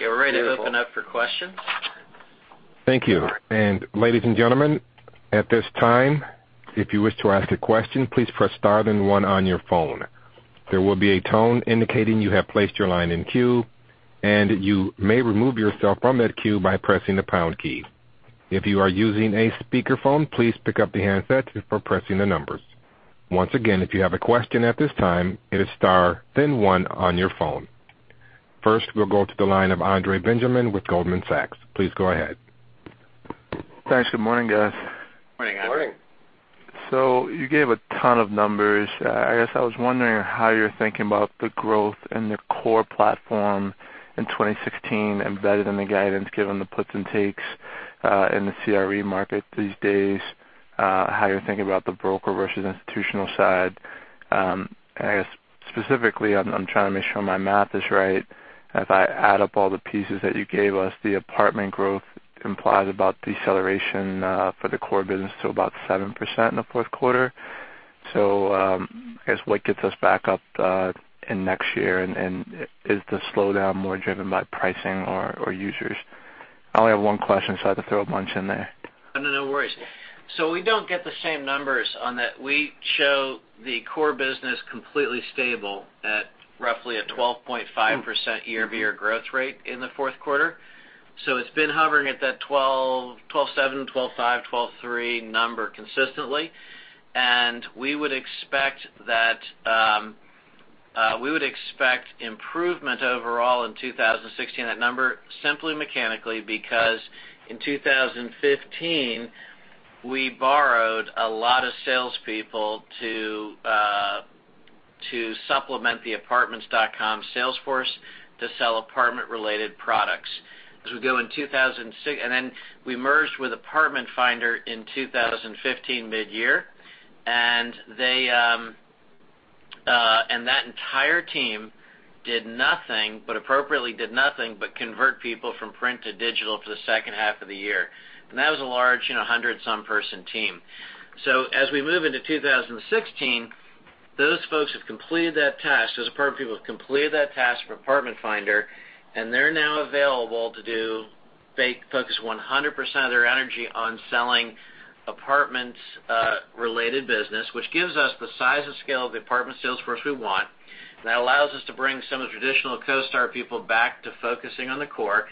Yeah, we're ready to open up for questions. Thank you. Ladies and gentlemen, at this time, if you wish to ask a question, please press star, then one on your phone. There will be a tone indicating you have placed your line in queue, and you may remove yourself from that queue by pressing the pound key. If you are using a speakerphone, please pick up the handset before pressing the numbers. Once again, if you have a question at this time, hit star, then one on your phone. First, we'll go to the line of George Tong with Goldman Sachs. Please go ahead. Thanks. Good morning, guys. Morning, George. Morning. You gave a ton of numbers. I guess I was wondering how you're thinking about the growth in the core platform in 2016 embedded in the guidance, given the puts and takes, in the CRE market these days, how you're thinking about the broker versus institutional side. I guess specifically, I'm trying to make sure my math is right. If I add up all the pieces that you gave us, the apartment growth implies about deceleration for the core business to about 7% in the fourth quarter. I guess what gets us back up, in next year, and is the slowdown more driven by pricing or users? I only have one question, so I had to throw a bunch in there. No, no worries. We don't get the same numbers on that. We show the core business completely stable at roughly a 12.5% year-over-year growth rate in the fourth quarter. It's been hovering at that 12.7, 12.5, 12.3 number consistently, and we would expect improvement overall in 2016. That number simply mechanically because in 2015, we borrowed a lot of salespeople to supplement the Apartments.com sales force to sell apartment-related products. We merged with Apartment Finder in 2015 mid-year, and that entire team did nothing but appropriately did nothing but convert people from print to digital for the second half of the year. That was a large hundred-some person team. As we move into 2016, those folks have completed that task. Those apartment people have completed that task for Apartment Finder, and they're now available to focus 100% of their energy on selling apartments-related business, which gives us the size and scale of the apartment sales force we want, and that allows us to bring some of the traditional CoStar people back to focusing on the core.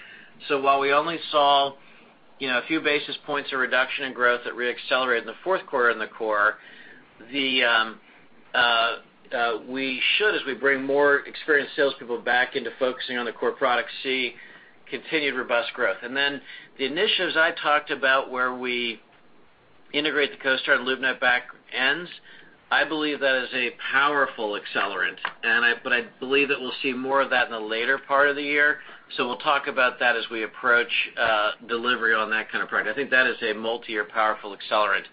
While we only saw a few basis points of reduction in growth that re-accelerated in the fourth quarter in the core, we should as we bring more experienced salespeople back into focusing on the core product see continued robust growth. The initiatives I talked about where we integrate the CoStar and LoopNet back ends, I believe that is a powerful accelerant. I believe that we'll see more of that in the later part of the year. We'll talk about that as we approach delivery on that kind of product. I think that is a multi-year powerful accelerant.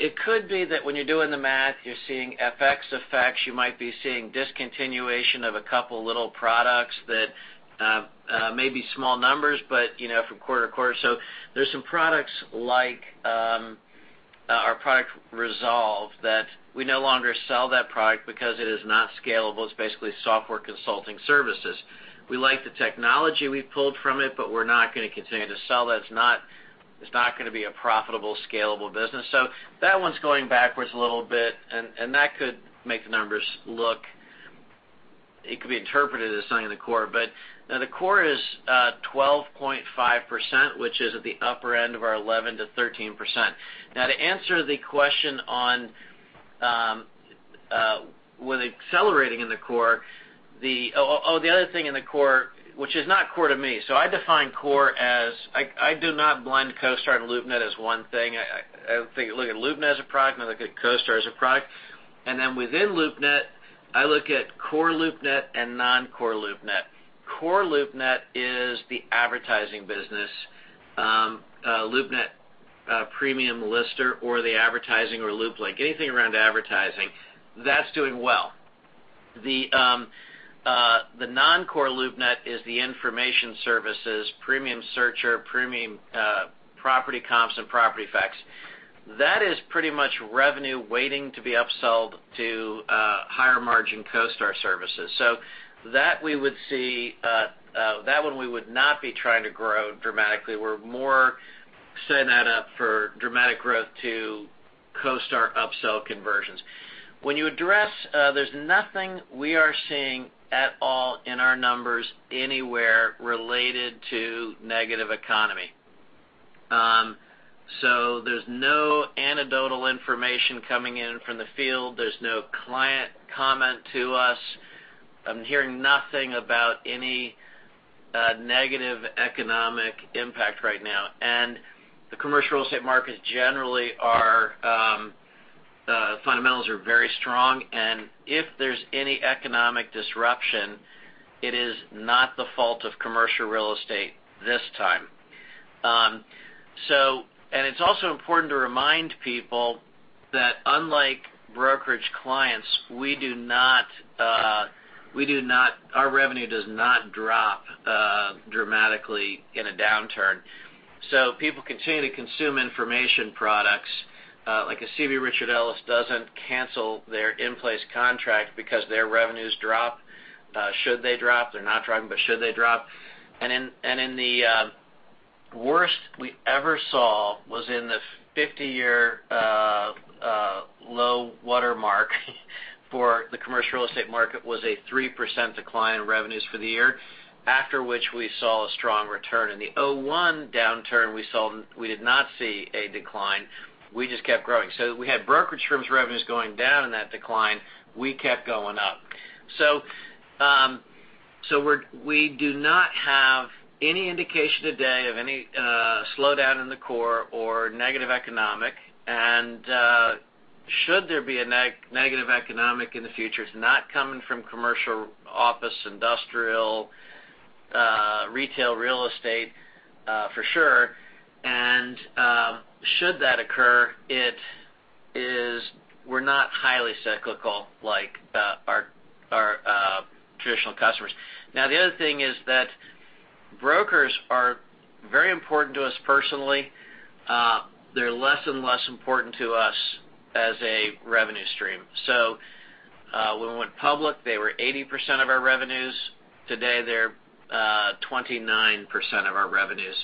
It could be that when you're doing the math, you're seeing FX effects. You might be seeing discontinuation of a couple little products that may be small numbers, but from quarter to quarter. There's some products like our product Resolve Technology that we no longer sell that product because it is not scalable. It's basically software consulting services. We like the technology we pulled from it, but we're not going to continue to sell that. It's not going to be a profitable, scalable business. That one's going backwards a little bit, and that could make the numbers look. It could be interpreted as something in the core. The core is 12.5%, which is at the upper end of our 11%-13%. To answer the question on with accelerating in the core. The other thing in the core, which is not core to me. I define core as I do not blend CoStar and LoopNet as one thing. I look at LoopNet as a product, and I look at CoStar as a product. Within LoopNet, I look at core LoopNet and non-core LoopNet. Core LoopNet is the advertising business, LoopNet Premium Lister or the advertising or LoopLink, anything around advertising, that's doing well. The non-core LoopNet is the information services, LoopNet Premium Searcher, premium property comps, and Property Facts. That is pretty much revenue waiting to be upsold to higher-margin CoStar services. That one we would not be trying to grow dramatically. We're more setting that up for dramatic growth to CoStar upsell conversions. When you address, there's nothing we are seeing at all in our numbers anywhere related to negative economy. There's no anecdotal information coming in from the field. There's no client comment to us. I'm hearing nothing about any negative economic impact right now. The commercial real estate markets generally, fundamentals are very strong, and if there's any economic disruption, it is not the fault of commercial real estate this time. It's also important to remind people that unlike brokerage clients, our revenue does not drop dramatically in a downturn. People continue to consume information products. Like a CB Richard Ellis doesn't cancel their in-place contract because their revenues drop, should they drop. They're not dropping, but should they drop. In the worst we ever saw was in the 50-year low water mark for the commercial real estate market, was a 3% decline in revenues for the year, after which we saw a strong return. In the 2001 downturn, we did not see a decline. We just kept growing. We had brokerage firms' revenues going down in that decline, we kept going up. We do not have any indication today of any slowdown in the core or negative economic. Should there be a negative economic in the future, it's not coming from commercial office, industrial, retail real estate, for sure. Should that occur, we're not highly cyclical like our traditional customers. The other thing is that brokers are very important to us personally. They're less and less important to us as a revenue stream. When we went public, they were 80% of our revenues. Today, they're 29% of our revenues.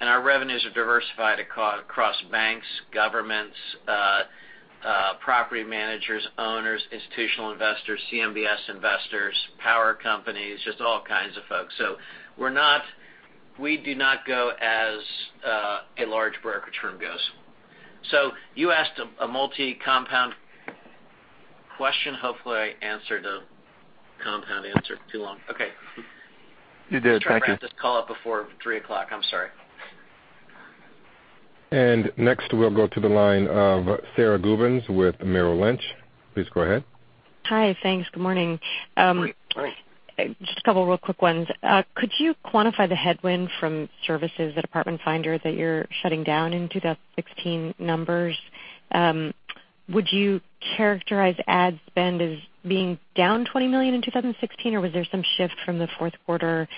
Our revenues are diversified across banks, governments, property managers, owners, institutional investors, CMBS investors, power companies, just all kinds of folks. We do not go as a large brokerage firm goes. You asked a multi compound question. Hopefully I answered a compound answer. Too long? Okay. You did. Thank you. Try to wrap this call up before 3:00. I'm sorry. Next, we'll go to the line of Sara Gubins with Merrill Lynch. Please go ahead. Hi. Thanks. Good morning. Good morning. Just a couple real quick ones. Could you quantify the headwind from services at Apartment Finder that you're shutting down in 2016 numbers? Would you characterize ad spend as being down $20 million in 2016, or was there some shift from the fourth quarter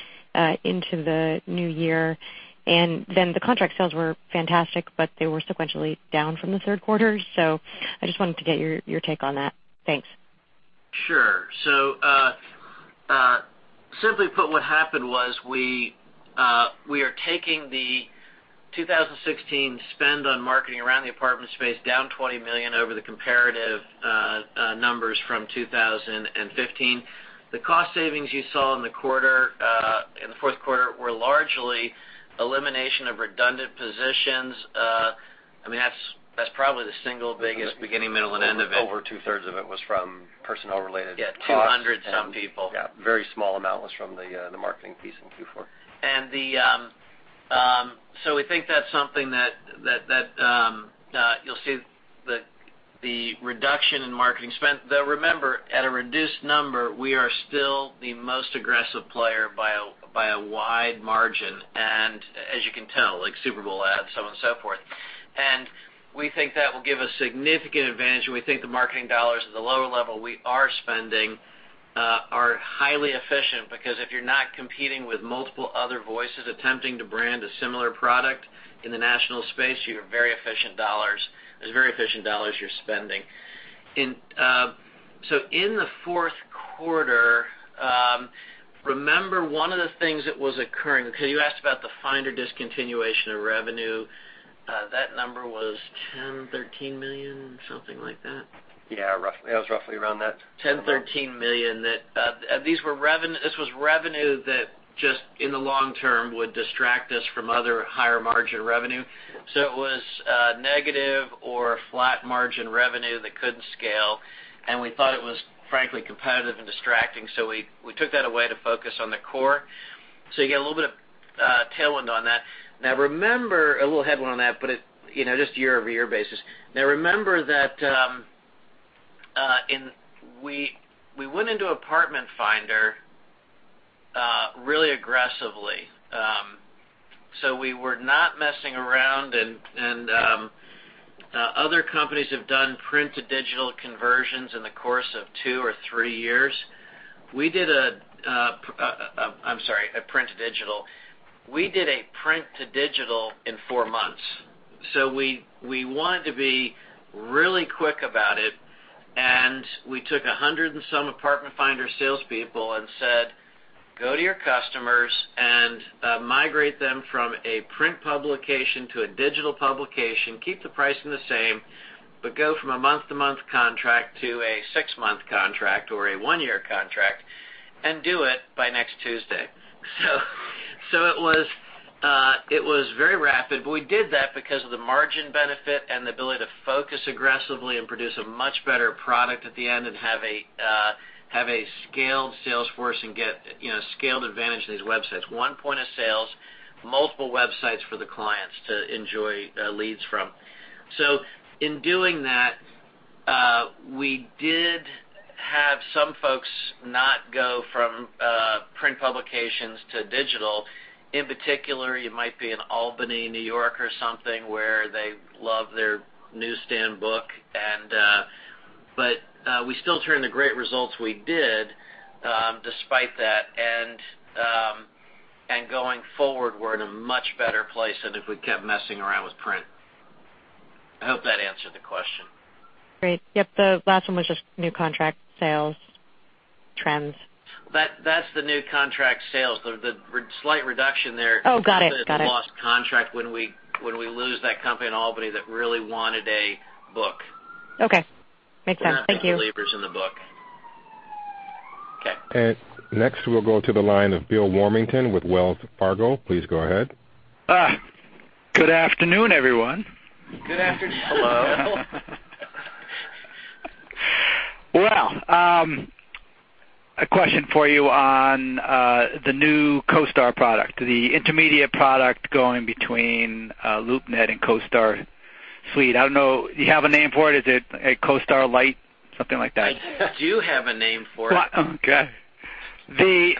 into the new year? The contract sales were fantastic, but they were sequentially down from the third quarter. I just wanted to get your take on that. Thanks. Sure. Simply put, what happened was we are taking the 2016 spend on marketing around the apartment space down $20 million over the comparative numbers from 2015. The cost savings you saw in the fourth quarter were largely elimination of redundant positions. That's probably the single biggest beginning, middle, and end of it. Over two-thirds of it was from personnel-related costs. Yeah, 200-some people. Yeah. A very small amount was from the marketing piece in Q4. We think that's something that you'll see the reduction in marketing spend. Though remember, at a reduced number, we are still the most aggressive player by a wide margin. As you can tell, like Super Bowl ads, so on and so forth. We think that will give a significant advantage, and we think the marketing dollars at the lower level we are spending are highly efficient because if you're not competing with multiple other voices attempting to brand a similar product in the national space, those are very efficient dollars you're spending. In the fourth quarter, remember one of the things that was occurring. Okay, you asked about the Finder discontinuation of revenue. That number was $10 million, $13 million, something like that? Yeah. It was roughly around that. $10 million, $13 million. This was revenue that just in the long term would distract us from other higher margin revenue. It was a negative or flat margin revenue that couldn't scale, and we thought it was frankly competitive and distracting, so we took that away to focus on the core. You get a little bit of tailwind on that. A little headwind on that, but just year-over-year basis. Now, remember that we went into Apartment Finder really aggressively. We were not messing around, and other companies have done print-to-digital conversions in the course of two or three years. I'm sorry, a print-to-digital. We did a print to digital in four months. We wanted to be really quick about it, and we took 100 and some Apartment Finder salespeople and said, "Go to your customers and migrate them from a print publication to a digital publication. Keep the pricing the same, go from a month-to-month contract to a six-month contract or a one-year contract, and do it by next Tuesday. It was very rapid. We did that because of the margin benefit and the ability to focus aggressively and produce a much better product at the end and have a scaled salesforce and get scaled advantage of these websites. One point of sales, multiple websites for the clients to enjoy leads from. In doing that, we did have some folks not go from print publications to digital. In particular, you might be in Albany, New York or something where they love their newsstand book, but we still turned the great results we did despite that. Going forward, we're in a much better place than if we kept messing around with print. I hope that answered the question. Great. Yep. The last one was just new contract sales trends. That's the new contract sales. The slight reduction. Got it. that's a lost contract when we lose that company in Albany that really wanted a book. Okay. Makes sense. Thank you. They're not big believers in the book. Okay. Next, we'll go to the line of Bill Warmington with Wells Fargo. Please go ahead. Good afternoon, everyone. Good afternoon. Hello. A question for you on the new CoStar product, the intermediate product going between LoopNet and CoStar Suite. I don't know, do you have a name for it? Is it a CoStar Lite, something like that? I do have a name for it. Okay. The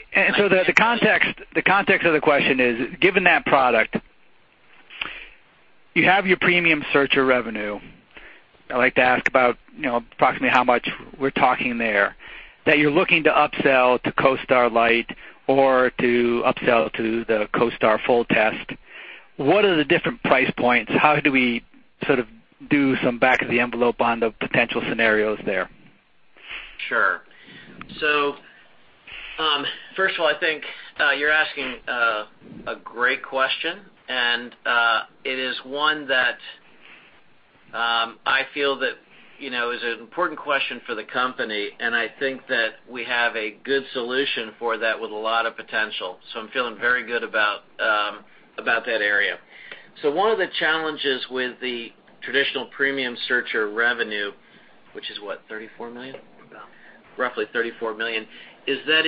context of the question is, given that product, you have your Premium Searcher revenue. I'd like to ask about approximately how much we're talking there, that you're looking to upsell to CoStar Lite or to upsell to the CoStar Full Test. What are the different price points? How do we do some back of the envelope on the potential scenarios there? Sure. First of all, I think you're asking a great question, and it is one that I feel that is an important question for the company, and I think that we have a good solution for that with a lot of potential. I'm feeling very good about that area. One of the challenges with the traditional Premium Searcher revenue, which is what, $34 million? Yeah. Roughly $34 million, is that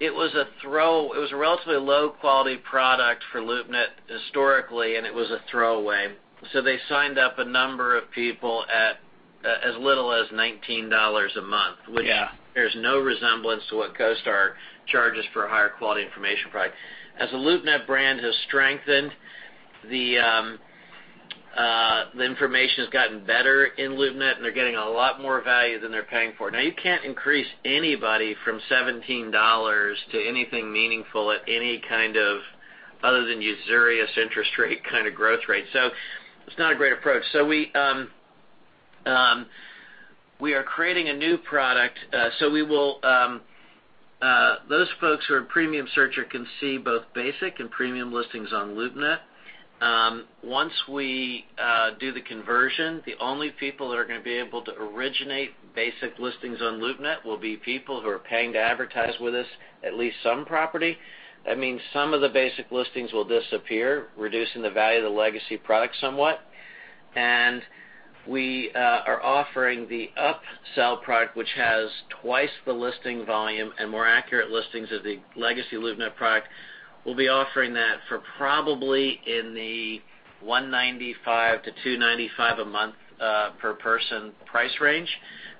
it was a relatively low-quality product for LoopNet historically, and it was a throwaway. They signed up a number of people at as little as $19 a month. Yeah. Which bears no resemblance to what CoStar charges for a higher quality information product. As the LoopNet brand has strengthened, the information has gotten better in LoopNet, and they're getting a lot more value than they're paying for. Now, you can't increase anybody from $17 to anything meaningful at any kind of, other than usurious interest rate kind of growth rate. It's not a great approach. We are creating a new product. Those folks who are in Premium Searcher can see both basic and premium listings on LoopNet. Once we do the conversion, the only people that are going to be able to originate basic listings on LoopNet will be people who are paying to advertise with us at least some property. That means some of the basic listings will disappear, reducing the value of the legacy product somewhat. We are offering the upsell product, which has twice the listing volume and more accurate listings as the legacy LoopNet product. We'll be offering that for probably in the $195-$295 a month per person price range.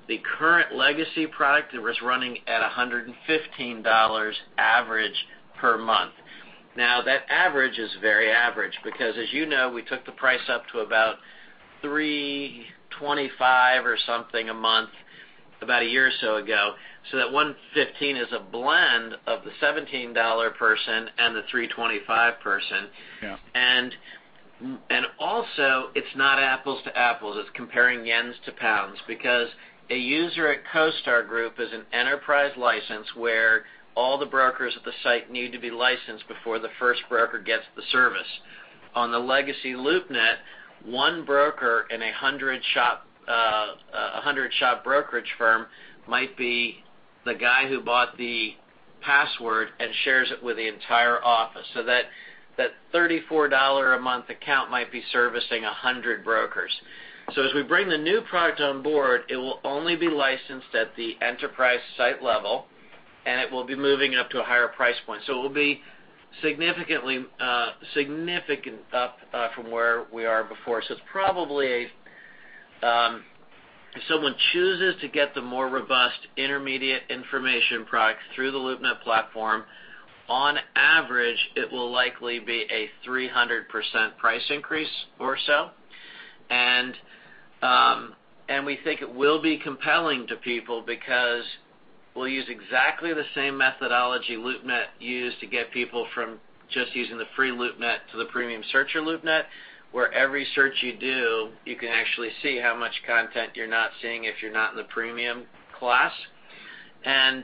The current legacy product was running at $115 a month. That average is very average because, as you know, we took the price up to about $325 or something a month, about a year or so ago. That $115 is a blend of the $17 person and the $325 person. Yeah. It's not apples to apples. It's comparing yen to pounds, because a user at CoStar Group is an enterprise license where all the brokers at the site need to be licensed before the first broker gets the service. On the legacy LoopNet, one broker in a 100-shop brokerage firm might be the guy who bought the password and shares it with the entire office. That $34 a month account might be servicing 100 brokers. As we bring the new product on board, it will only be licensed at the enterprise site level, and it will be moving up to a higher price point. It will be significant up from where we are before. It's probably, if someone chooses to get the more robust intermediate information product through the LoopNet platform, on average, it will likely be a 300% price increase or so. We think it will be compelling to people because we'll use exactly the same methodology LoopNet used to get people from just using the free LoopNet to the LoopNet Premium Searcher, where every search you do, you can actually see how much content you're not seeing if you're not in the premium class. The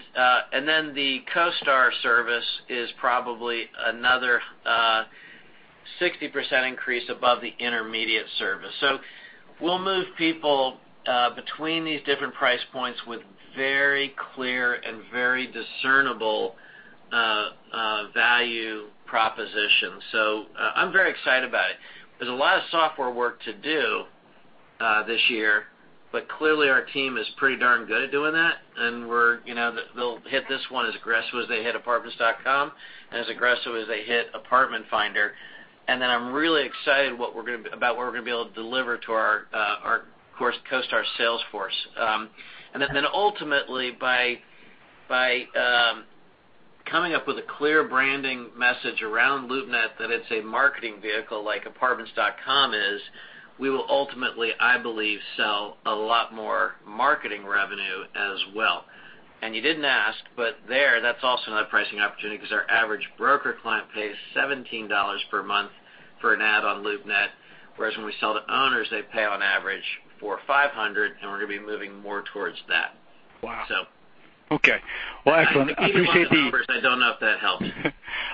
CoStar service is probably another 60% increase above the intermediate service. We'll move people between these different price points with very clear and very discernible value propositions. I'm very excited about it. There's a lot of software work to do this year, but clearly our team is pretty darn good at doing that, and they'll hit this one as aggressively as they hit Apartments.com and as aggressive as they hit Apartment Finder. I'm really excited about what we're going to be able to deliver to our CoStar sales force. Ultimately by coming up with a clear branding message around LoopNet, that it's a marketing vehicle like Apartments.com is, we will ultimately, I believe, sell a lot more marketing revenue as well. You didn't ask, but there, that's also another pricing opportunity because our average broker client pays $17 a month for an ad on LoopNet. Whereas when we sell to owners, they pay on average $400 or $500, and we're going to be moving more towards that. Wow. So. Okay. Well, excellent. I appreciate the- I gave you a lot of numbers. I don't know if that helps.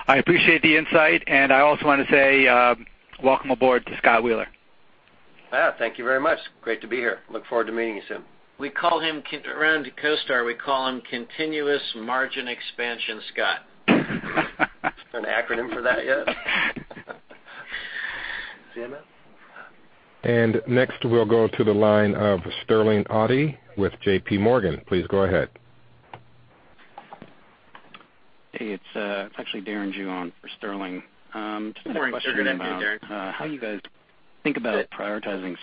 I appreciate the insight. I also want to say welcome aboard to Scott Wheeler. Thank you very much. Great to be here. Look forward to meeting you soon. Around CoStar, we call him Continuous Margin Expansion Scott. Is there an acronym for that yet? CMS? Next, we'll go to the line of Sterling Auty with J.P. Morgan. Please go ahead. Hey, it's actually Darren Aftahi on for Sterling. Good morning. Good afternoon, Darren. Just had a question about how you guys think about prioritizing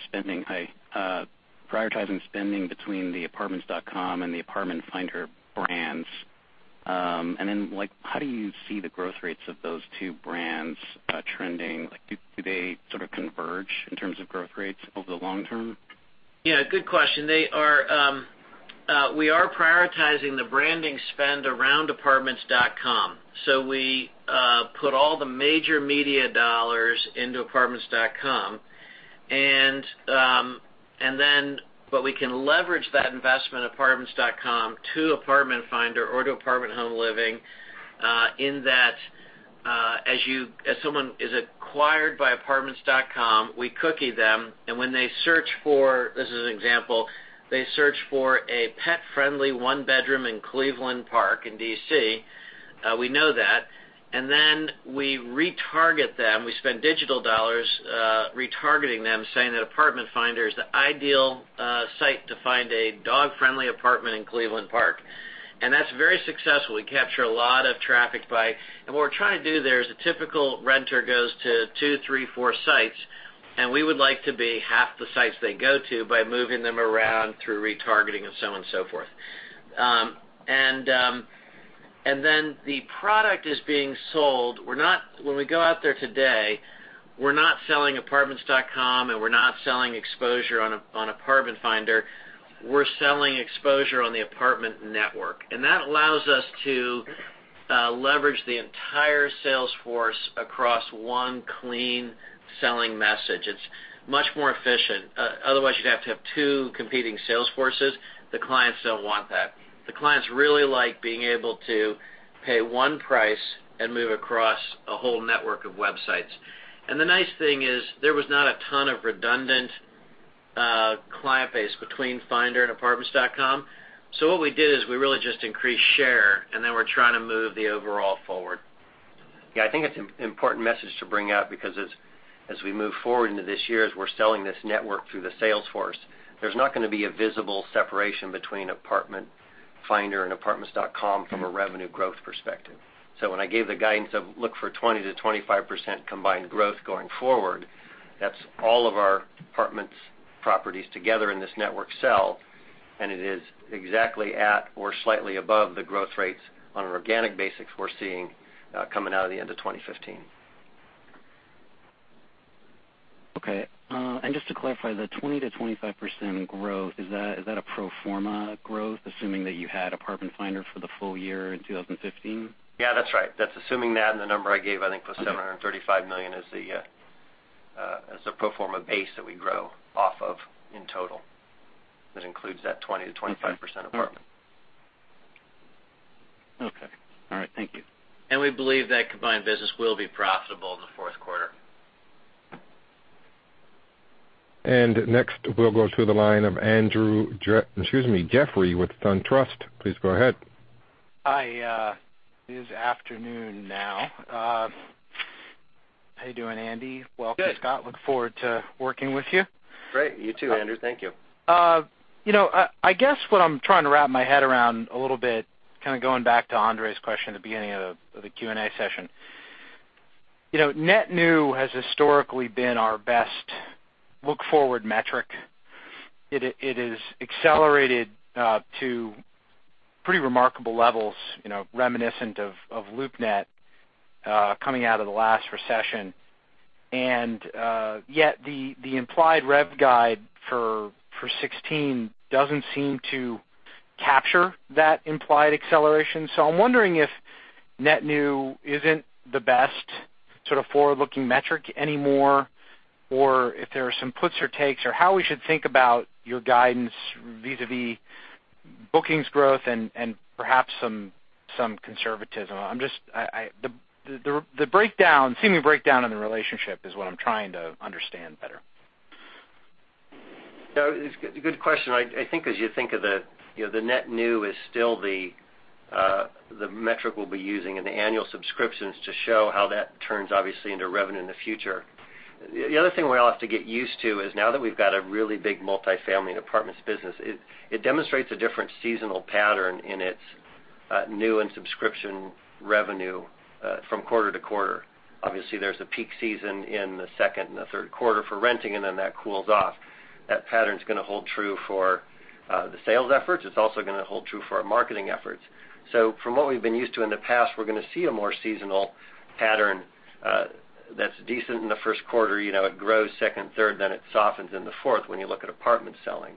spending between the Apartments.com and the Apartment Finder brands. How do you see the growth rates of those two brands trending? Do they sort of converge in terms of growth rates over the long term? Yeah, good question. We are prioritizing the branding spend around Apartments.com. We put all the major media dollars into Apartments.com. We can leverage that investment, Apartments.com, to Apartment Finder or to Apartment Home Living, in that as someone is acquired by Apartments.com, we cookie them, and when they search for. This is an example. They search for a pet-friendly one bedroom in Cleveland Park in D.C. We know that, and then we retarget them. We spend digital dollars retargeting them, saying that Apartment Finder is the ideal site to find a dog-friendly apartment in Cleveland Park, and that's very successful. We capture a lot of traffic by. What we're trying to do there is a typical renter goes to two, three, four sites, and we would like to be half the sites they go to by moving them around through retargeting and so on and so forth. The product is being sold. When we go out there today, we're not selling Apartments.com, and we're not selling exposure on Apartment Finder. We're selling exposure on the apartment network, and that allows us to leverage the entire sales force across one clean selling message. It's much more efficient. Otherwise, you'd have to have two competing sales forces. The clients don't want that. The clients really like being able to pay one price and move across a whole network of websites. The nice thing is, there was not a ton of redundant client base between Finder and Apartments.com. What we did is we really just increased share, and then we're trying to move the overall forward. Yeah, I think it's an important message to bring up because as we move forward into this year, as we're selling this network through the sales force, there's not going to be a visible separation between Apartment Finder and Apartments.com from a revenue growth perspective. When I gave the guidance of look for 20%-25% combined growth going forward, that's all of our apartments properties together in this network sell. It is exactly at or slightly above the growth rates on an organic basis we're seeing coming out of the end of 2015. Okay. Just to clarify, the 20%-25% growth, is that a pro forma growth, assuming that you had Apartment Finder for the full year in 2015? Yeah, that's right. That's assuming that, and the number I gave, I think, was $735 million is the pro forma base that we grow off of in total. That includes that 20%-25% apartment. Okay. All right. Thank you. We believe that combined business will be profitable in the fourth quarter. Next, we'll go to the line of Jeffrey with SunTrust. Please go ahead. Hi. It is afternoon now. How are you doing, Andy? Good. Welcome, Scott. Look forward to working with you. Great. You too, Andrew. Thank you. I guess what I'm trying to wrap my head around a little bit, kind of going back to Andre's question at the beginning of the Q&A session. Net new has historically been our best look-forward metric. It has accelerated to pretty remarkable levels reminiscent of LoopNet coming out of the last recession. Yet the implied rev guide for 2016 doesn't seem to capture that implied acceleration. I'm wondering if net new isn't the best sort of forward-looking metric anymore, or if there are some puts or takes or how we should think about your guidance vis-à-vis bookings growth and perhaps some conservatism. The seeming breakdown in the relationship is what I'm trying to understand better. It's a good question. I think as you think of the net new is still the metric we'll be using in the annual subscriptions to show how that turns, obviously, into revenue in the future. The other thing we all have to get used to is now that we've got a really big multifamily and apartments business, it demonstrates a different seasonal pattern in its new and subscription revenue from quarter-to-quarter. Obviously, there's a peak season in the second and the third quarter for renting, and then that cools off. That pattern is going to hold true for the sales efforts. It's also going to hold true for our marketing efforts. From what we've been used to in the past, we're going to see a more seasonal pattern that's decent in the first quarter. It grows second, third, then it softens in the fourth when you look at apartment selling.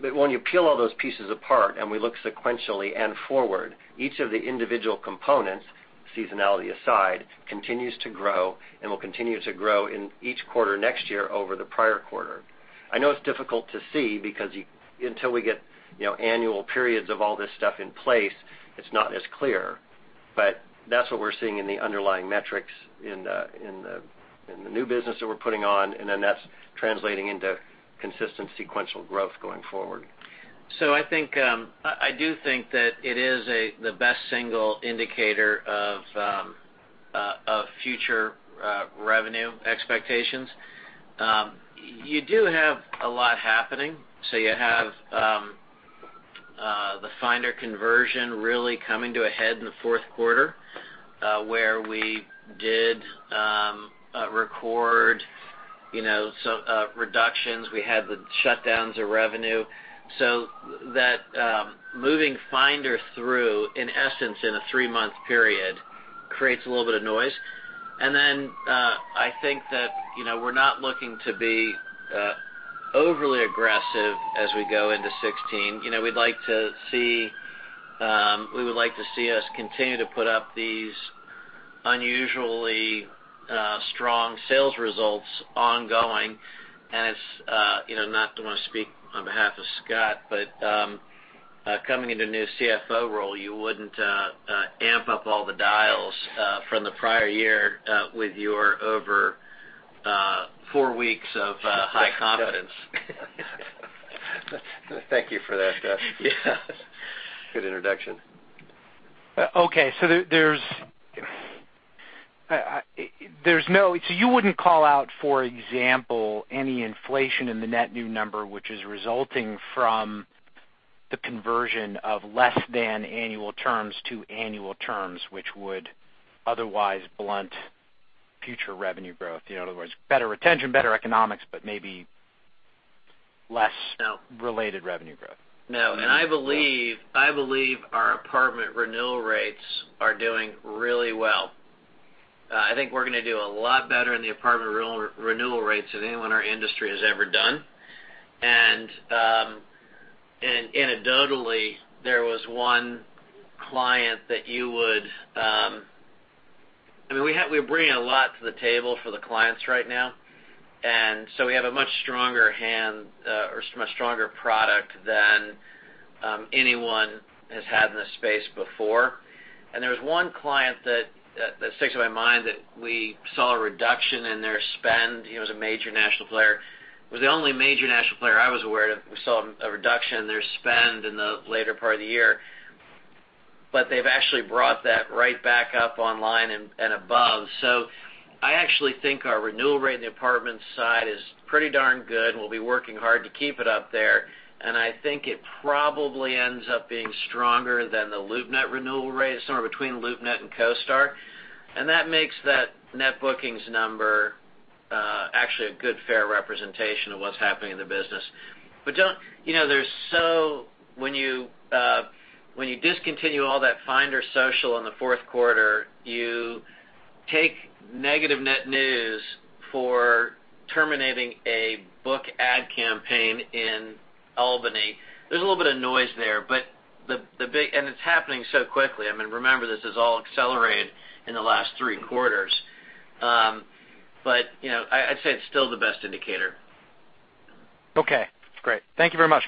When you peel all those pieces apart and we look sequentially and forward, each of the individual components, seasonality aside, continues to grow and will continue to grow in each quarter next year over the prior quarter. I know it's difficult to see because until we get annual periods of all this stuff in place, it's not as clear. That's what we're seeing in the underlying metrics in the new business that we're putting on, and then that's translating into consistent sequential growth going forward. I do think that it is the best single indicator of future revenue expectations. You do have a lot happening. You have the Finder conversion really coming to a head in the fourth quarter, where we did record some reductions. We had the shutdowns of revenue. That moving Finder through, in essence, in a three-month period, creates a little bit of noise. I think that we're not looking to be overly aggressive as we go into 2016. We would like to see us continue to put up these unusually strong sales results ongoing, and not to want to speak on behalf of Scott, but coming into a new CFO role, you wouldn't amp up all the dials from the prior year with your over four weeks of high confidence. Thank you for that, Scott. Yeah. Good introduction. You wouldn't call out, for example, any inflation in the net new number, which is resulting from the conversion of less than annual terms to annual terms, which would otherwise blunt future revenue growth. In other words, better retention, better economics, but maybe less- No Less related revenue growth. No, I believe our apartment renewal rates are doing really well. I think we're going to do a lot better in the apartment renewal rates than anyone in our industry has ever done. Anecdotally, there was one client that we're bringing a lot to the table for the clients right now. We have a much stronger hand or much stronger product than anyone has had in this space before. There was one client that sticks in my mind that we saw a reduction in their spend. It was a major national player, was the only major national player I was aware of. We saw a reduction in their spend in the later part of the year. They've actually brought that right back up online and above. I actually think our renewal rate in the apartment side is pretty darn good, and we'll be working hard to keep it up there, and I think it probably ends up being stronger than the LoopNet renewal rate, somewhere between LoopNet and CoStar, and that makes that net bookings number actually a good fair representation of what's happening in the business. When you discontinue all that Finder Social in the fourth quarter, you take negative net news for terminating a book ad campaign in Albany. There's a little bit of noise there, and it's happening so quickly. Remember, this has all accelerated in the last three quarters. I'd say it's still the best indicator. Okay, great. Thank you very much.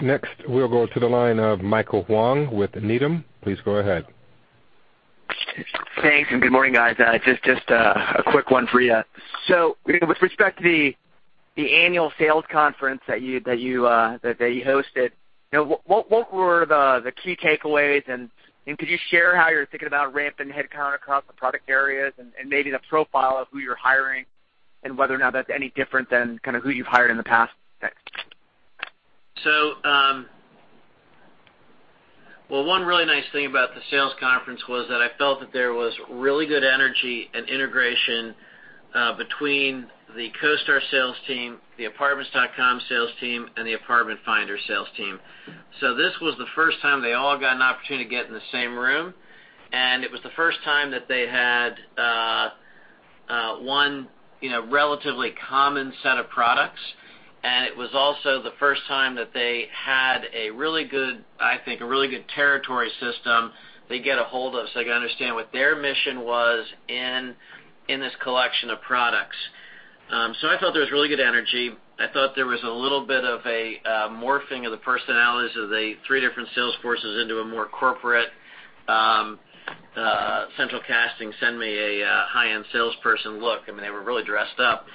Next we'll go to the line of Michael Huang with Needham. Please go ahead. Thanks. Good morning, guys. Just a quick one for you. With respect to the annual sales conference that you hosted, what were the key takeaways, and could you share how you're thinking about ramping headcount across the product areas and maybe the profile of who you're hiring and whether or not that's any different than kind of who you've hired in the past? Thanks. Well, one really nice thing about the sales conference was that I felt that there was really good energy and integration between the CoStar sales team, the Apartments.com sales team, and the Apartment Finder sales team. This was the first time they all got an opportunity to get in the same room, and it was the first time that they had one relatively common set of products, and it was also the first time that they had a really good, I think, a really good territory system they get a hold of, so they can understand what their mission was in this collection of products. I felt there was really good energy. I thought there was a little bit of a morphing of the personalities of the three different sales forces into a more corporate, central casting, send me a high-end salesperson look. They were really dressed up.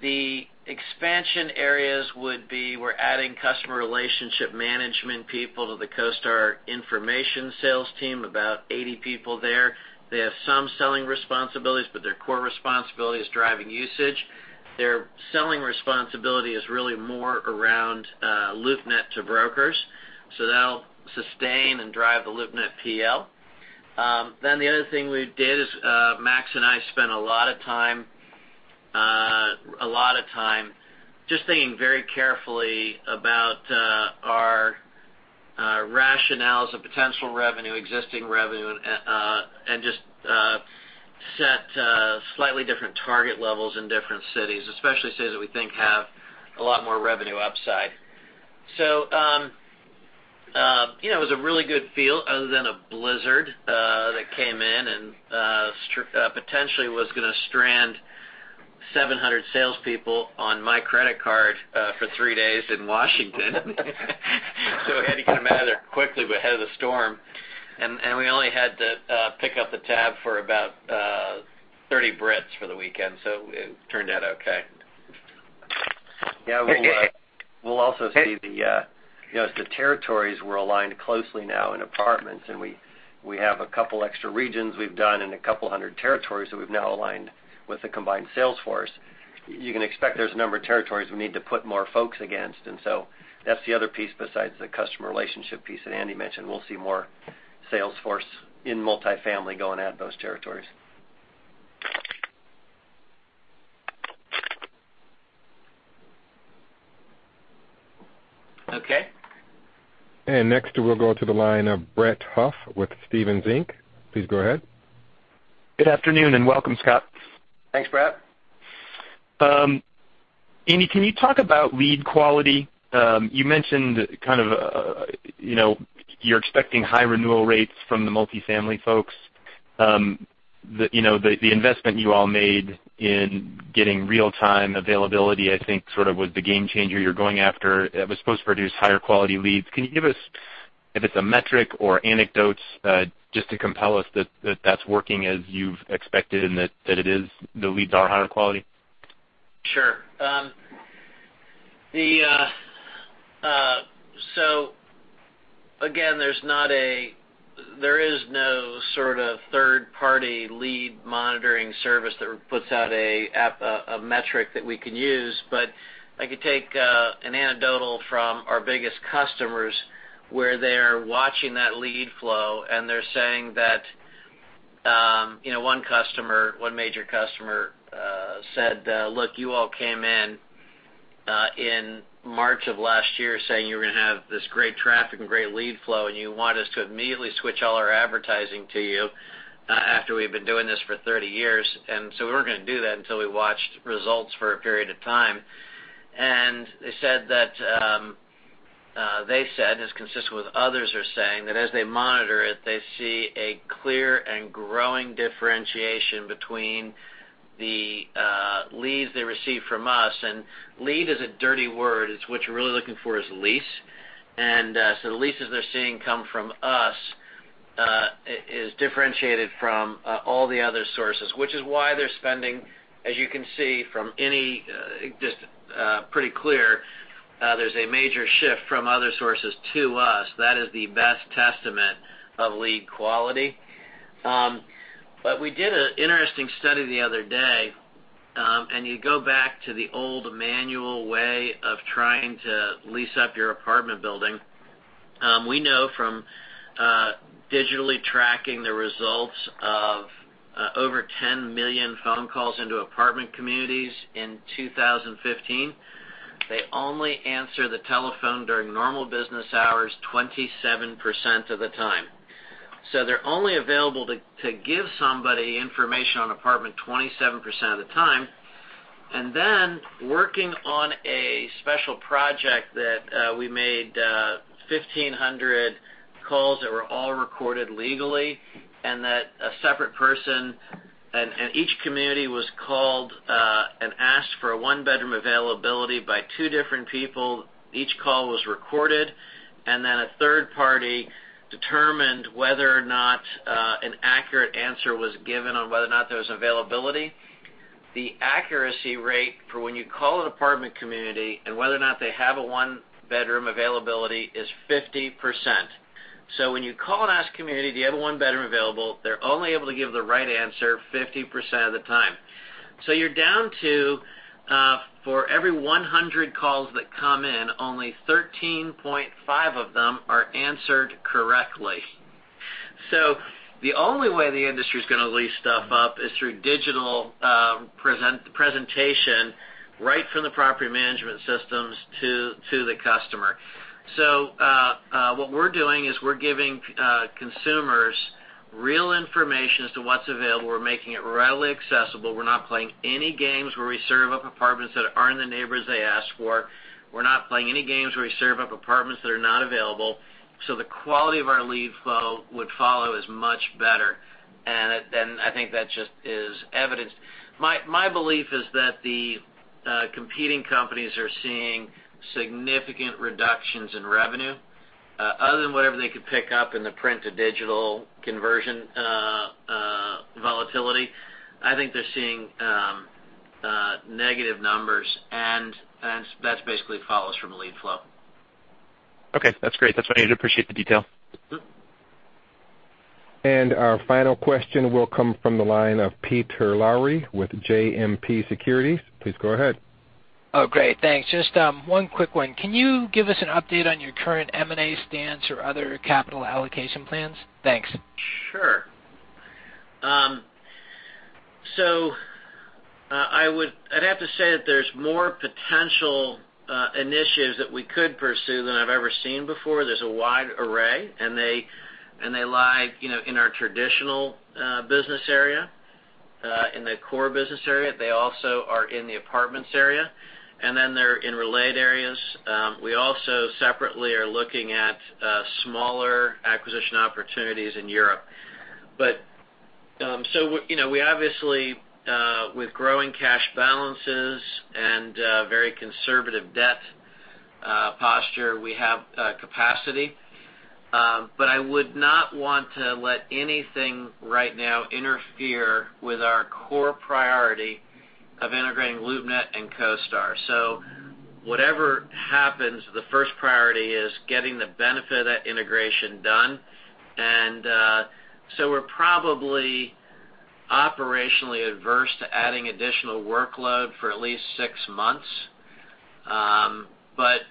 The expansion areas would be we're adding customer relationship management people to the CoStar information sales team, about 80 people there. They have some selling responsibilities, but their core responsibility is driving usage. Their selling responsibility is really more around LoopNet to brokers. That'll sustain and drive the LoopNet P&L. The other thing we did is Max and I spent a lot of time just thinking very carefully about our rationales of potential revenue, existing revenue, and just set slightly different target levels in different cities, especially cities that we think have a lot more revenue upside. It was a really good feel other than a blizzard that came in and potentially was going to strand 700 salespeople on my credit card for three days in Washington, D.C. We had to get them out of there quickly, but ahead of the storm, and we only had to pick up the tab for about 30 Brits for the weekend, so it turned out okay. Yeah. We'll also see As the territories were aligned closely now in apartments, and we have two extra regions we've done and 200 territories that we've now aligned with the combined sales force. You can expect there's a number of territories we need to put more folks against. That's the other piece besides the customer relationship piece that Andy mentioned. We'll see more sales force in multifamily going at those territories. Okay. Next, we'll go to the line of Brett Huff with Stephens Inc. Please go ahead. Good afternoon, and welcome, Scott. Thanks, Brett. Andy, can you talk about lead quality? You mentioned you're expecting high renewal rates from the multifamily folks. The investment you all made in getting real-time availability, I think sort of was the game changer you're going after. It was supposed to produce higher quality leads. Can you give us, if it's a metric or anecdotes, just to compel us that that's working as you've expected and that it is, the leads are higher quality? Sure. Again, there is no sort of third-party lead monitoring service that puts out a metric that we can use. I could take an anecdotal from our biggest customers, where they're watching that lead flow, and they're saying that One major customer said, "Look, you all came in March of last year saying you were going to have this great traffic and great lead flow, and you want us to immediately switch all our advertising to you, after we've been doing this for 30 years. We weren't going to do that until we watched results for a period of time." They said, as consistent with others are saying, that as they monitor it, they see a clear and growing differentiation between the leads they receive from us. Lead is a dirty word. It's what you're really looking for is lease. The leases they're seeing come from us, is differentiated from all the other sources, which is why they're spending, as you can see, pretty clear, there's a major shift from other sources to us. That is the best testament of lead quality. We did an interesting study the other day, and you go back to the old manual way of trying to lease up your apartment building. We know from digitally tracking the results of over 10 million phone calls into apartment communities in 2015, they only answer the telephone during normal business hours 27% of the time. They're only available to give somebody information on apartment 27% of the time. Working on a special project that we made 1,500 calls that were all recorded legally, and that a separate person, each community was called, and asked for a one-bedroom availability by two different people. Each call was recorded, and then a third party determined whether or not an accurate answer was given on whether or not there was availability. The accuracy rate for when you call an apartment community and whether or not they have a one-bedroom availability is 50%. When you call and ask a community, do you have a one bedroom available, they're only able to give the right answer 50% of the time. You're down to, for every 100 calls that come in, only 13.5 of them are answered correctly. The only way the industry's going to lease stuff up is through digital presentation, right from the property management systems to the customer. What we're doing is we're giving consumers real information as to what's available. We're making it readily accessible. We're not playing any games where we serve up apartments that aren't in the neighborhoods they ask for. We're not playing any games where we serve up apartments that are not available. The quality of our lead flow would follow is much better. I think that just is evidenced. My belief is that the competing companies are seeing significant reductions in revenue. Other than whatever they could pick up in the print-to-digital conversion volatility, I think they're seeing negative numbers, and that basically follows from a lead flow. Okay. That's great. That's what I need. Appreciate the detail. Sure. Our final question will come from the line of Peter Lowry with JMP Securities. Please go ahead. Great. Thanks. Just one quick one. Can you give us an update on your current M&A stance or other capital allocation plans? Thanks. Sure. I'd have to say that there's more potential initiatives that we could pursue than I've ever seen before. There's a wide array. They lie in our traditional business area, in the core business area. They also are in the apartments area. They're in related areas. We also separately are looking at smaller acquisition opportunities in Europe. With growing cash balances and very conservative debt posture, we have capacity. I would not want to let anything right now interfere with our core priority of integrating LoopNet and CoStar. Whatever happens, the first priority is getting the benefit of that integration done. We're probably operationally adverse to adding additional workload for at least six months. Frank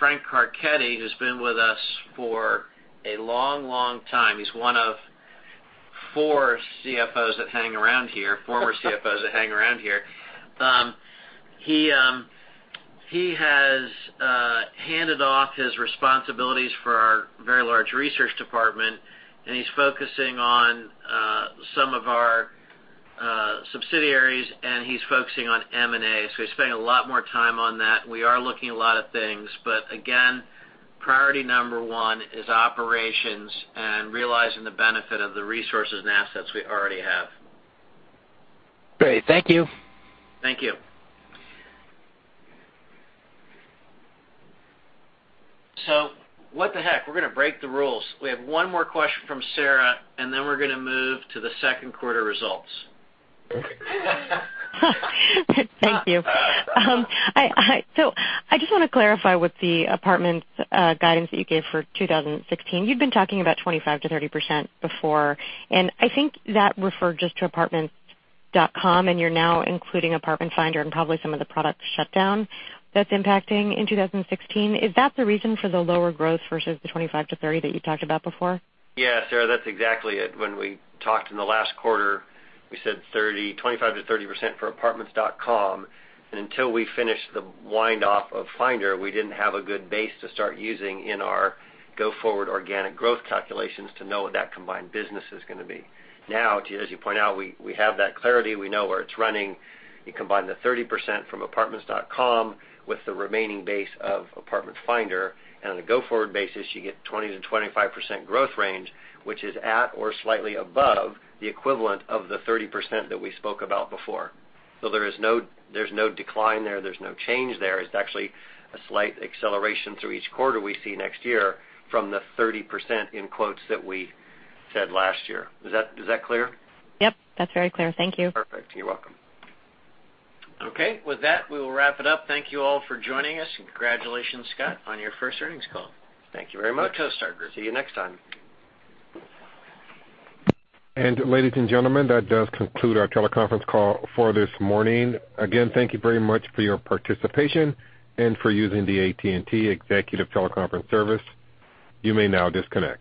Carchedi, who's been with us for a long time, he's one of four CFOs that hang around here, former CFOs that hang around here. He has handed off his responsibilities for our very large research department. He's focusing on some of our subsidiaries. He's focusing on M&A. He's spending a lot more time on that. We are looking at a lot of things. Again, priority number one is operations and realizing the benefit of the resources and assets we already have. Great. Thank you. Thank you. What the heck? We're going to break the rules. We have one more question from Sara, we're going to move to the second quarter results. Thank you. I just want to clarify with the apartments guidance that you gave for 2016. You'd been talking about 25%-30% before, and I think that referred just to Apartments.com, and you're now including Apartment Finder and probably some of the product shutdown that's impacting in 2016. Is that the reason for the lower growth versus the 25%-30% that you talked about before? Yeah, Sara, that's exactly it. When we talked in the last quarter, we said 25%-30% for Apartments.com, and until we finished the wind-off of Finder, we didn't have a good base to start using in our go-forward organic growth calculations to know what that combined business is going to be. Now, as you point out, we have that clarity. We know where it's running. You combine the 30% from Apartments.com with the remaining base of Apartment Finder, and on a go-forward basis, you get 20%-25% growth range, which is at or slightly above the equivalent of the 30% that we spoke about before. There's no decline there. There's no change there. It's actually a slight acceleration through each quarter we see next year from the 30% in quotes that we said last year. Is that clear? Yep. That's very clear. Thank you. Perfect. You're welcome. Okay, with that, we will wrap it up. Thank you all for joining us. Congratulations, Scott, on your first earnings call. Thank you very much. The CoStar Group. See you next time. Ladies and gentlemen, that does conclude our teleconference call for this morning. Again, thank you very much for your participation and for using the AT&T Executive Teleconference Service. You may now disconnect.